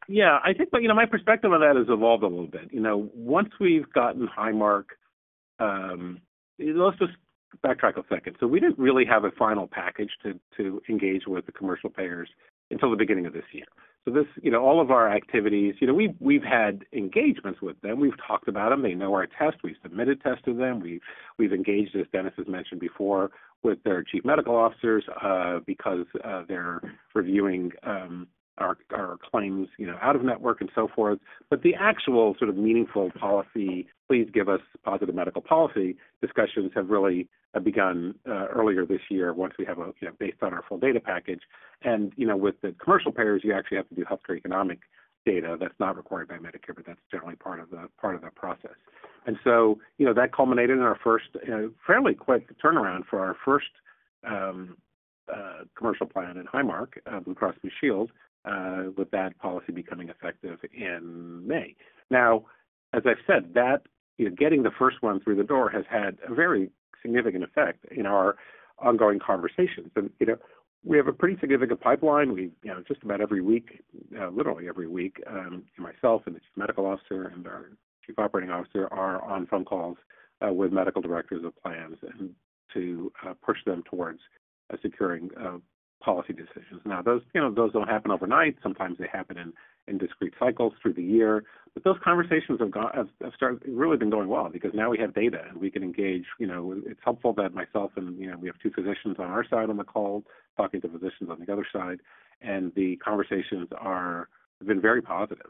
Yeah, I think, but you know, my perspective on that has evolved a little bit. Once we've gotten Highmark, let's just backtrack a second. We didn't really have a final package to engage with the commercial payers until the beginning of this year. All of our activities, we've had engagements with them. We've talked about them. They know our test. We've submitted tests to them. We've engaged, as Dennis has mentioned before, with their Chief Medical Officers because they're reviewing our claims, out of network and so forth. The actual sort of meaningful policy, please give us positive medical policy discussions have really begun earlier this year once we have a, based on our full data package. With the commercial payers, you actually have to do healthcare economic data that's not required by Medicare, but that's generally part of the process. That culminated in our first, fairly quick turnaround for our first commercial plan in Highmark Blue Cross Blue Shield, with that policy becoming effective in May. As I've said, getting the first one through the door has had a very significant effect in our ongoing conversations. We have a pretty significant pipeline. Just about every week, literally every week, myself and the Chief Medical Officer and our Chief Operating Officer are on phone calls with medical directors of plans to push them towards securing policy decisions. Those don't happen overnight. Sometimes they happen in discrete cycles through the year. Those conversations have started really been going well because now we have data and we can engage. It's helpful that myself and we have two physicians on our side on the call talking to physicians on the other side. The conversations have been very positive.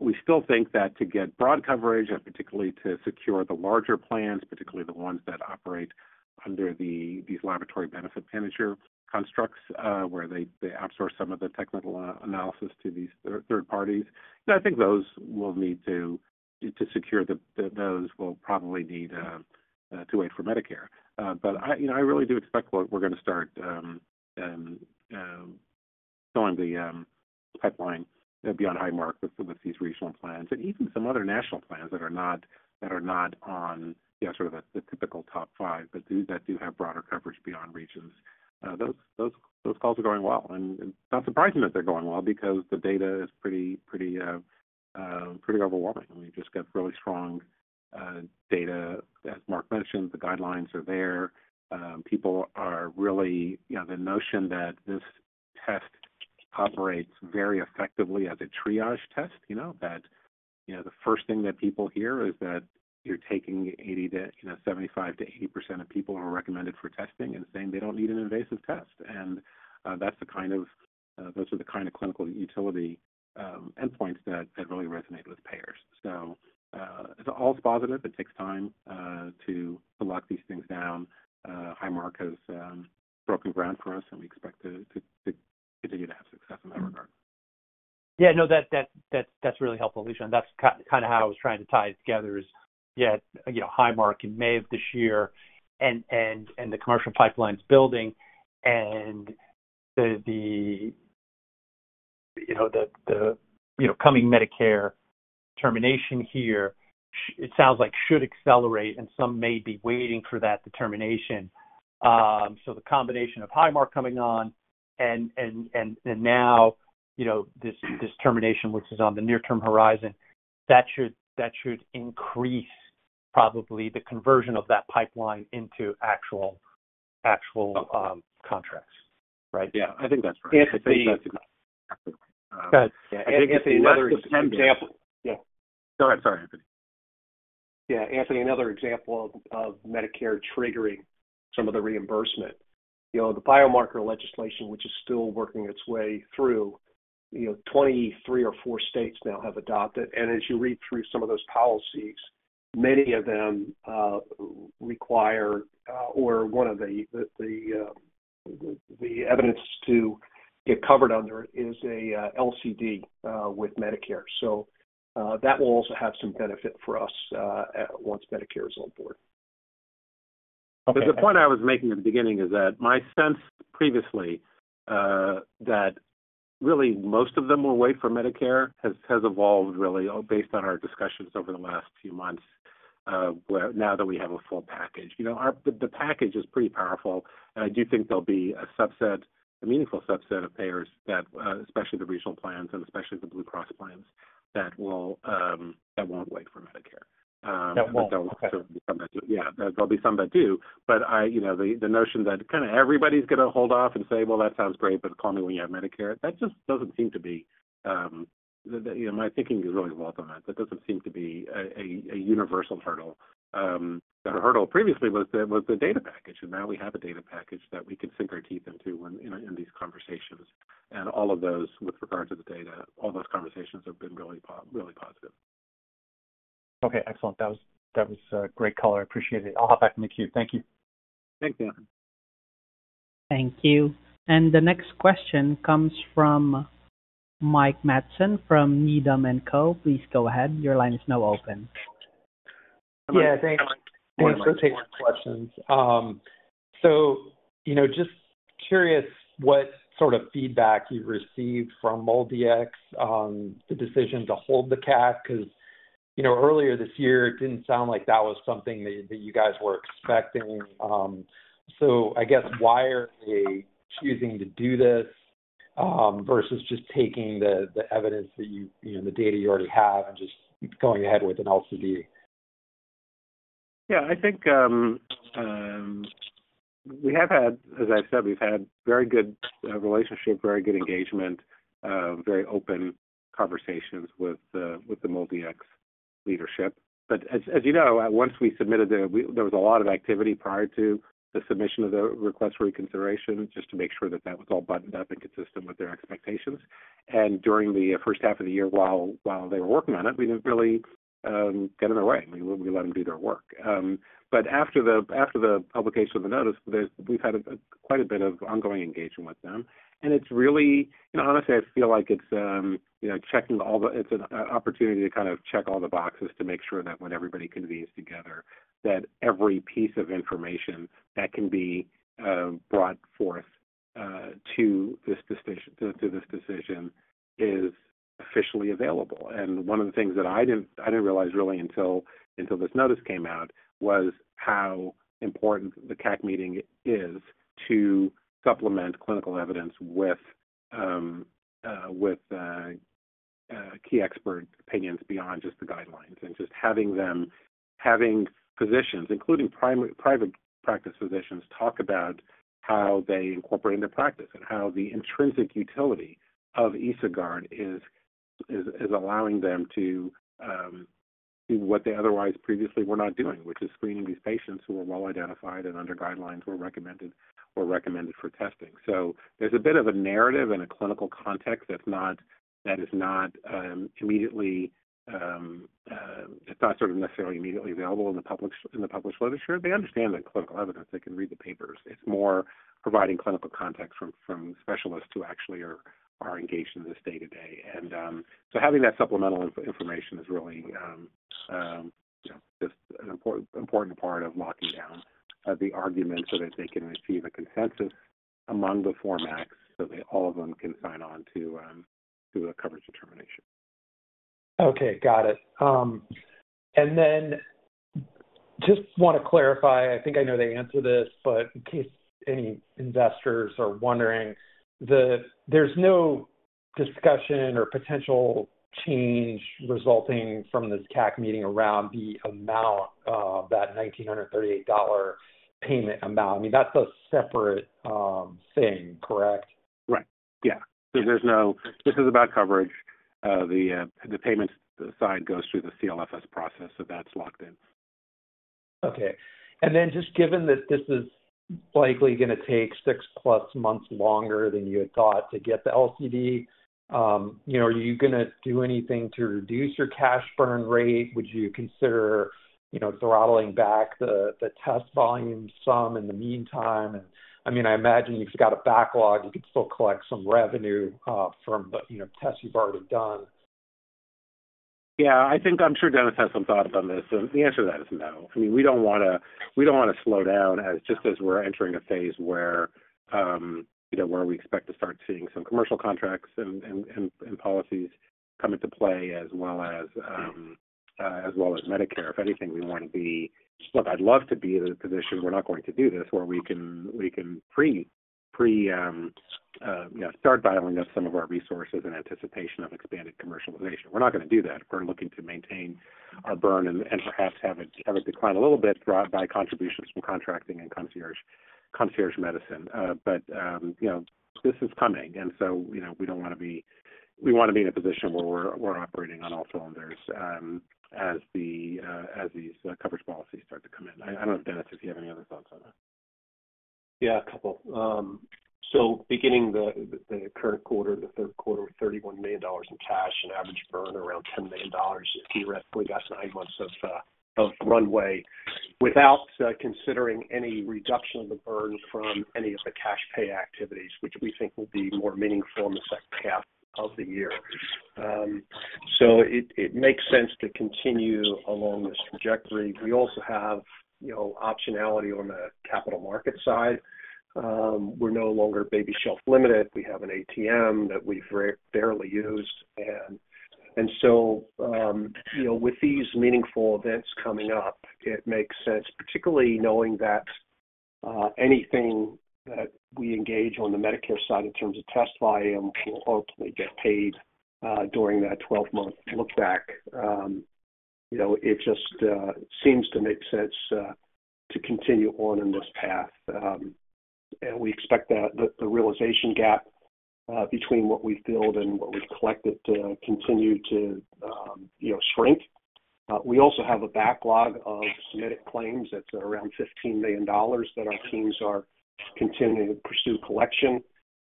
We still think that to get broad coverage and particularly to secure the larger plans, particularly the ones that operate under these laboratory benefit manager constructs where they outsource some of the technical analysis to these third parties, those will need to secure, those will probably need to wait for Medicare. I really do expect we're going to start filling the pipeline beyond Highmark Blue with these regional plans and even some other national plans that are not, that are not on, you know, sort of the typical top five, but that do have broader coverage beyond regions. Those calls are going well. It's not surprising that they're going well because the data is pretty overwhelming. We've just got really strong data. As Mark mentioned, the guidelines are there. People are really, you know, the notion that this test operates very effectively as a triage test, you know, that, you know, the first thing that people hear is that you're taking 75% to 80% of people who are recommended for testing and saying they don't need an invasive test. That's the kind of clinical utility endpoints that really resonate with payers. It's all positive. It takes time to lock these things down. Highmark has broken ground for us, and we expect to continue to have success in that regard. Yeah, no, that's really helpful, Lishan. That's kind of how I was trying to tie it together is, yeah, you know, Highmark in May of this year. The commercial pipeline's building, and the, you know, the coming Medicare determination here, it sounds like should accelerate, and some may be waiting for that determination. The combination of Highmark coming on and now, you know, this determination, which is on the near-term horizon, that should increase probably the conversion of that pipeline into actual contracts, right? Yeah, I think that's right. Anthony, go ahead. Yeah, Anthony, another example. Sorry, Anthony. Yeah, Anthony, another example of Medicare triggering some of the reimbursement. You know, the biomarker legislation, which is still working its way through, you know, 23 or 24 states now have adopted. As you read through some of those policies, many of them require, or one of the evidence to get covered under it is an LCD with Medicare. That will also have some benefit for us once Medicare is on board. Okay. The point I was making at the beginning is that my sense previously that really most of them will wait for Medicare has evolved based on our discussions over the last few months, where now that we have a full package, the package is pretty powerful. I do think there'll be a subset, a meaningful subset of payers, especially the regional plans and especially the Blue Cross plans, that won't wait for Medicare. That won't, okay. Yeah, there'll be some that do. The notion that kind of everybody's going to hold off and say, "That sounds great, but call me when you have Medicare," just doesn't seem to be, you know, my thinking is really well done on that. That doesn't seem to be a universal hurdle. The hurdle previously was the data package. Now we have a data package that we can sink our teeth into in these conversations. All of those with regard to the data, all those conversations have been really, really positive. Okay. Excellent. That was great color. I appreciate it. I'll hop back in the queue. Thank you. Thank you. Thank you. The next question comes from Mike Matson from Needham & Co. Please go ahead. Your line is now open. Yeah, thanks. Thanks for taking my questions. Just curious what sort of feedback you received from MolDX on the decision to hold the CAC because earlier this year, it didn't sound like that was something that you guys were expecting. I guess why are they choosing to do this versus just taking the evidence that you, you know, the data you already have and just going ahead with an LCD? Yeah, I think we have had, as I've said, we've had very good relationship, very good engagement, very open conversations with the MolDX leadership. As you know, once we submitted the, there was a lot of activity prior to the submission of the request for reconsideration just to make sure that that was all buttoned up and consistent with their expectations. During the first half of the year, while they were working on it, we didn't really get in their way. I mean, we let them do their work. After the publication of the notice, we've had quite a bit of ongoing engagement with them. It's really, you know, honestly, I feel like it's, you know, checking all the, it's an opportunity to kind of check all the boxes to make sure that when everybody convenes together, that every piece of information that can be brought forth to this decision is officially available. One of the things that I didn't realize really until this notice came out was how important the CAC meeting is to supplement clinical evidence with key expert opinions beyond just the guidelines. Just having them, having physicians, including private practice physicians, talk about how they incorporate into practice and how the intrinsic utility of EsoGuard is allowing them to do what they otherwise previously were not doing, which is screening these patients who are well identified and under guidelines were recommended or recommended for testing. There's a bit of a narrative and a clinical context that's not, that is not immediately, it's not sort of necessarily immediately available in the published literature. They understand the clinical evidence. They can read the papers. It's more providing clinical context from specialists who actually are engaged in this day-to-day. Having that supplemental information is really, you know, just an important part of locking down the argument so that they can achieve a consensus among the four MACs so that all of them can sign on to the coverage determination. Okay. Got it. I just want to clarify, I think I know the answer to this, but in case any investors are wondering, there's no discussion or potential change resulting from this CAC meeting around the amount, that $1,938 payment amount. I mean, that's a separate thing, correct? Right. Yeah. This is about coverage. The payment assigned goes through the CLFS process, so that's locked in. Okay. Given that this is likely going to take six-plus months longer than you had thought to get the LCD, are you going to do anything to reduce your cash burn rate? Would you consider throttling back the test volume some in the meantime? I imagine you've just got a backlog. You could still collect some revenue from the tests you've already done. Yeah, I think I'm sure Dennis has some thought about this. The answer to that is no. I mean, we don't want to slow down just as we're entering a phase where we expect to start seeing some commercial contracts and policies come into play, as well as Medicare. If anything, we want to be, look, I'd love to be in a position where we're not going to do this, where we can pre-start by having some of our resources in anticipation of expanded commercialization. We're not going to do that. We're looking to maintain our burn and perhaps have it decline a little bit by contributions from contracting and concierge medicine. This is coming. We don't want to be, we want to be in a position where we're operating on all cylinders as these coverage policies start to come in. I don't know, Dennis, if you have any other thoughts on that. Yeah, a couple. Beginning the current quarter, the third quarter, $31 million in cash and average burn around $10 million. Theoretically, that's nine months of runway without considering any reduction of the burn from any of the cash pay activities, which we think will be more meaningful in the second half of the year. It makes sense to continue along this trajectory. We also have optionality on the capital market side. We're no longer baby shelf limited. We have an ATM that we've barely used. With these meaningful events coming up, it makes sense, particularly knowing that anything that we engage on the Medicare side in terms of test volume will ultimately get paid during that 12-month look-back. It just seems to make sense to continue on in this path. We expect that the realization gap between what we've billed and what we've collected to continue to shrink. We also have a backlog of submitted claims that's around $15 million that our teams are continuing to pursue collection.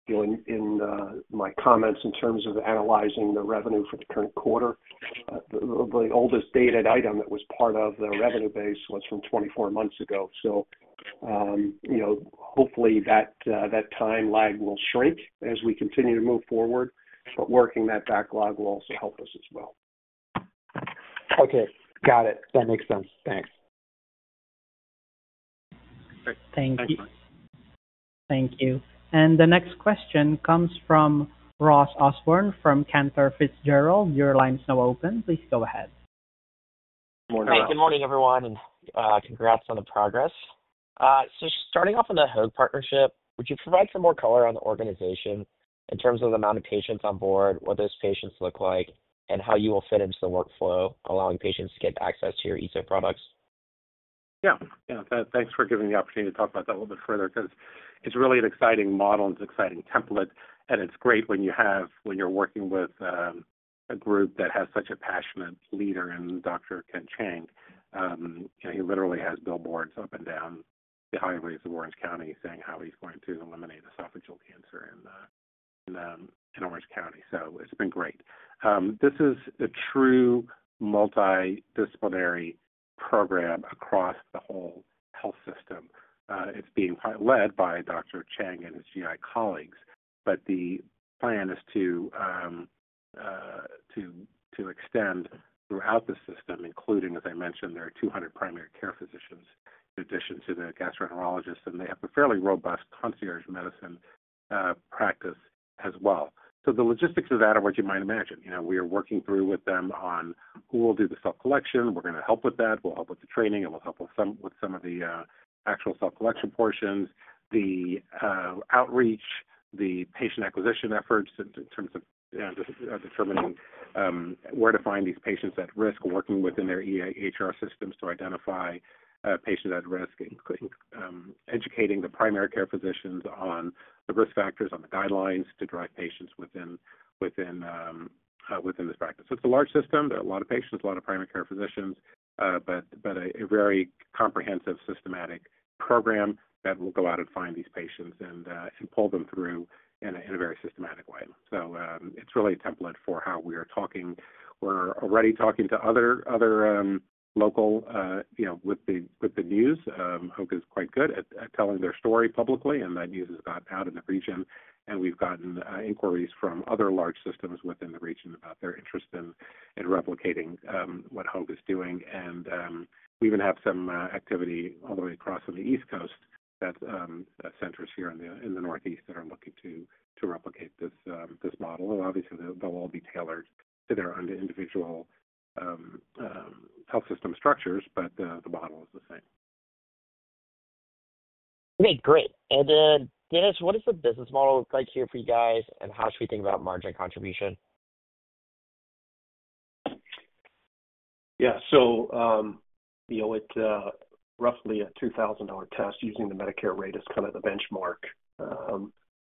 In my comments in terms of analyzing the revenue for the current quarter, the oldest dated item that was part of the revenue base was from 24 months ago. Hopefully, that time lag will shrink as we continue to move forward. Working that backlog will also help us as well. Okay. Got it. That makes sense. Thanks. Thank you. The next question comes from Ross Osborn from Cantor Fitzgerald. Your line's now open. Please go ahead. Good morning, Ross. Hey, good morning, everyone, and congrats on the progress. Starting off on the Hoag partnership, would you provide some more color on the organization in terms of the amount of patients on board, what those patients look like, and how you will fit into the workflow, allowing patients to get access to your Eso products? Yeah. Thanks for giving me the opportunity to talk about that a little bit further because it's really an exciting model and it's an exciting template. It's great when you're working with a group that has such a passionate leader in Dr. Ken Chang. You know, he literally has billboards up and down the highways of Orange County saying how he's going to eliminate esophageal cancer in Orange County. It's been great. This is a true multidisciplinary program across the whole health system. It's being led by Dr. Chang and his GI colleagues. The plan is to extend throughout the system, including, as I mentioned, their 200 primary care physicians in addition to the gastroenterologists. They have a fairly robust concierge medicine practice as well. The logistics are that of what you might imagine. We are working through with them on who will do the cell collection. We're going to help with that. We'll help with the training, and we'll help with some of the actual cell collection portions, the outreach, the patient acquisition efforts in terms of determining where to find these patients at risk, working within their EHR systems to identify patients at risk, including educating the primary care physicians on the risk factors on the guidelines to drive patients within this practice. It's a large system. There are a lot of patients, a lot of primary care physicians, but a very comprehensive, systematic program that will go out and find these patients and pull them through in a very systematic way. It's really a template for how we are talking. We're already talking to other locals, you know, with the news. Hoag is quite good at telling their story publicly, and that news has gotten out in the region. We've gotten inquiries from other large systems within the region about their interest in replicating what Hoag is doing. We even have some activity all the way across on the East Coast that centers here in the Northeast that are looking to replicate this model. Obviously, they'll all be tailored to their own individual health system structures, but the model is the same. Okay. Great. Dennis, what does the business model look like here for you guys, and how should we think about margin contribution? Yeah. With roughly a $2,000 test using the Medicare rate as kind of the benchmark,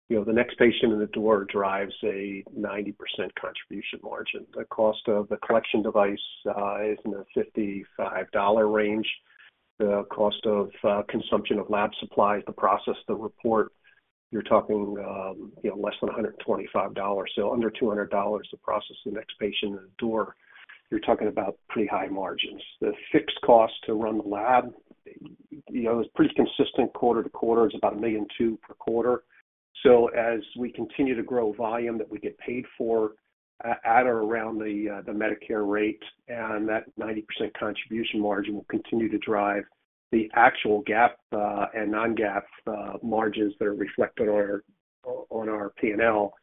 the next patient in the door drives a 90% contribution margin. The cost of the collection device is in the $55 range. The cost of consumption of lab supplies to process the report, you're talking less than $125. Under $200 to process the next patient in the door, you're talking about pretty high margins. The fixed cost to run the lab is pretty consistent quarter to quarter. It's about $1.2 million a quarter. As we continue to grow volume that we get paid for at or around the Medicare rate, that 90% contribution margin will continue to drive the actual GAAP and non-GAAP margins that are reflected on our P&L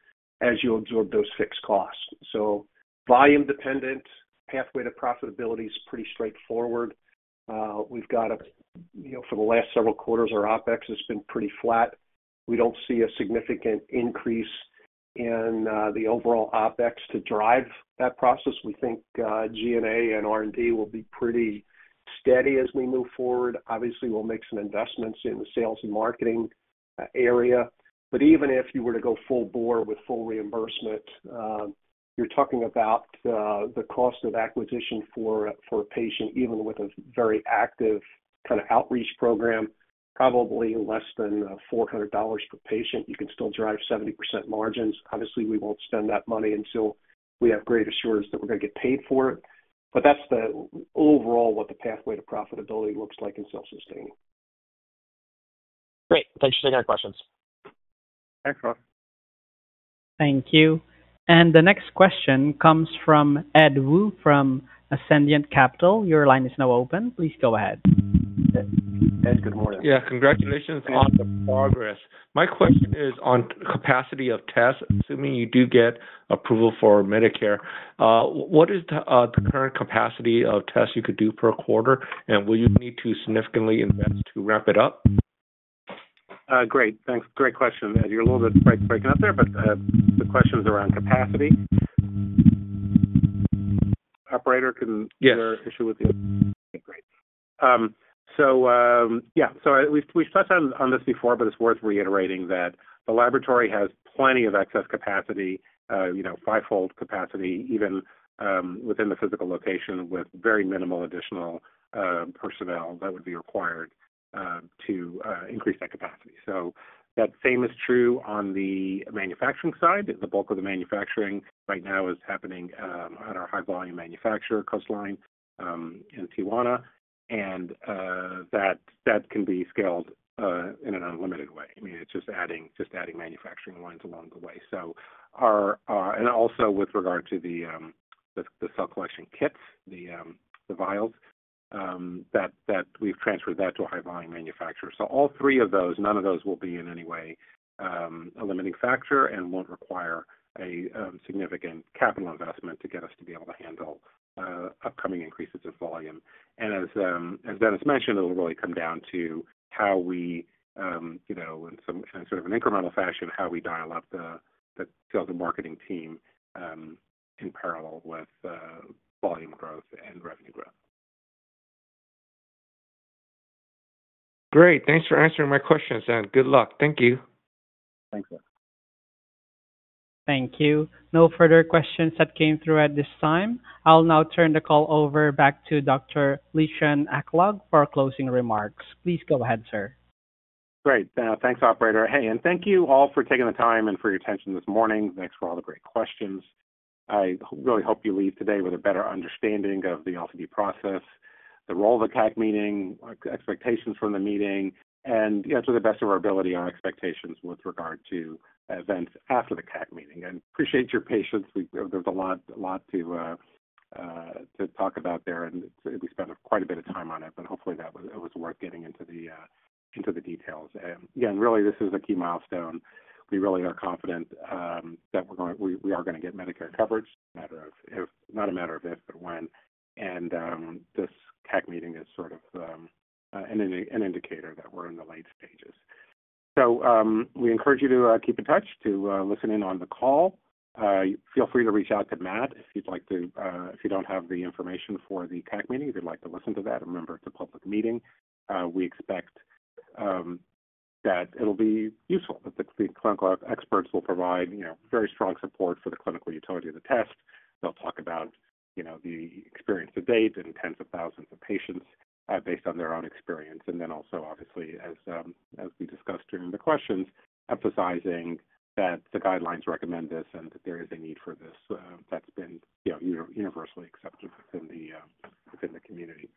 as you absorb those fixed costs. Volume-dependent, pathway to profitability is pretty straightforward. For the last several quarters, our OpEx has been pretty flat. We don't see a significant increase in the overall OpEx to drive that process. We think G&A and R&D will be pretty steady as we move forward. Obviously, we'll make some investments in the sales and marketing area. Even if you were to go full bore with full reimbursement, you're talking about the cost of acquisition for a patient, even with a very active kind of outreach program, probably less than $400 per patient. You can still drive 70% margins. Obviously, we won't spend that money until we have great assurance that we're going to get paid for it. That's the overall what the pathway to profitability looks like in self-sustaining. Great. Thanks for taking our questions. Thanks, Mark. Thank you. The next question comes from Ed Woo from Ascendiant Capital. Your line is now open. Please go ahead. Ed, good morning. Yeah, congratulations on lots of progress. My question is on the capacity of tests, assuming you do get approval for Medicare. What is the current capacity of tests you could do per quarter, and will you need to significantly invest to ramp it up? Great, thanks. Great question. You're a little bit breaking up there, but the question is around capacity. Operator, can you issue with you? Yeah. Great. We've touched on this before, but it's worth reiterating that the laboratory has plenty of excess capacity, fivefold capacity, even within the physical location with very minimal additional personnel that would be required to increase that capacity. The same is true on the manufacturing side. The bulk of the manufacturing right now is happening at our high-volume manufacturer, Coastline in Tijuana, and that can be scaled in an unlimited way. It's just adding manufacturing lines along the way. Also, with regard to the cell collection kits, the vials, we've transferred that to a high-volume manufacturer. All three of those, none of those will be in any way a limiting factor and won't require a significant. believe that's meant to get us to be able to handle upcoming increases in volume. As Dennis mentioned, it will really come down to how we, in some sort of an incremental fashion, dial up the sales and marketing team in parallel with volume growth and revenue growth. Great. Thanks for answering my questions, and good luck. Thank you. Thanks, Linh. Thank you. No further questions that came through at this time. I'll now turn the call over back to Dr. Lishan Aklog for closing remarks. Please go ahead, sir. Great. Thanks, Operator. Hey, and thank you all for taking the time and for your attention this morning. Thanks for all the great questions. I really hope you leave today with a better understanding of the LCD process, the role of the CAC meeting, expectations from the meeting, and, you know, to the best of our ability, our expectations with regard to events after the CAC meeting. I appreciate your patience. There's a lot to talk about there, and we spent quite a bit of time on it, but hopefully it was worth getting into the details. Again, really, this is a key milestone. We really are confident that we are going to get Medicare coverage. It's not a matter of if, but when. This CAC meeting is sort of an indicator that we're in the late stages. We encourage you to keep in touch, to listen in on the call. Feel free to reach out to Matt if you'd like to, if you don't have the information for the CAC meeting, if you'd like to listen to that. Remember, it's a public meeting. We expect that it'll be useful, that the clinical experts will provide, you know, very strong support for the clinical utility of the test. They'll talk about, you know, the experience of days and tens of thousands of patients based on their own experience. Also, obviously, as we discussed during the questions, emphasizing that the guidelines recommend this and that there is a need for this, that's been, you know, universally accepted within the community.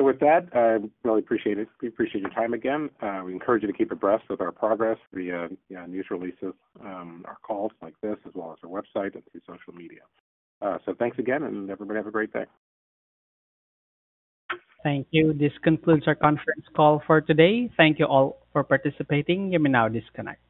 With that, I really appreciate it. We appreciate your time again. We encourage you to keep abreast with our progress, the news releases, our calls like this, as well as our website and through social media. Thanks again, and everybody have a great day. Thank you. This concludes our conference call for today. Thank you all for participating. You may now disconnect.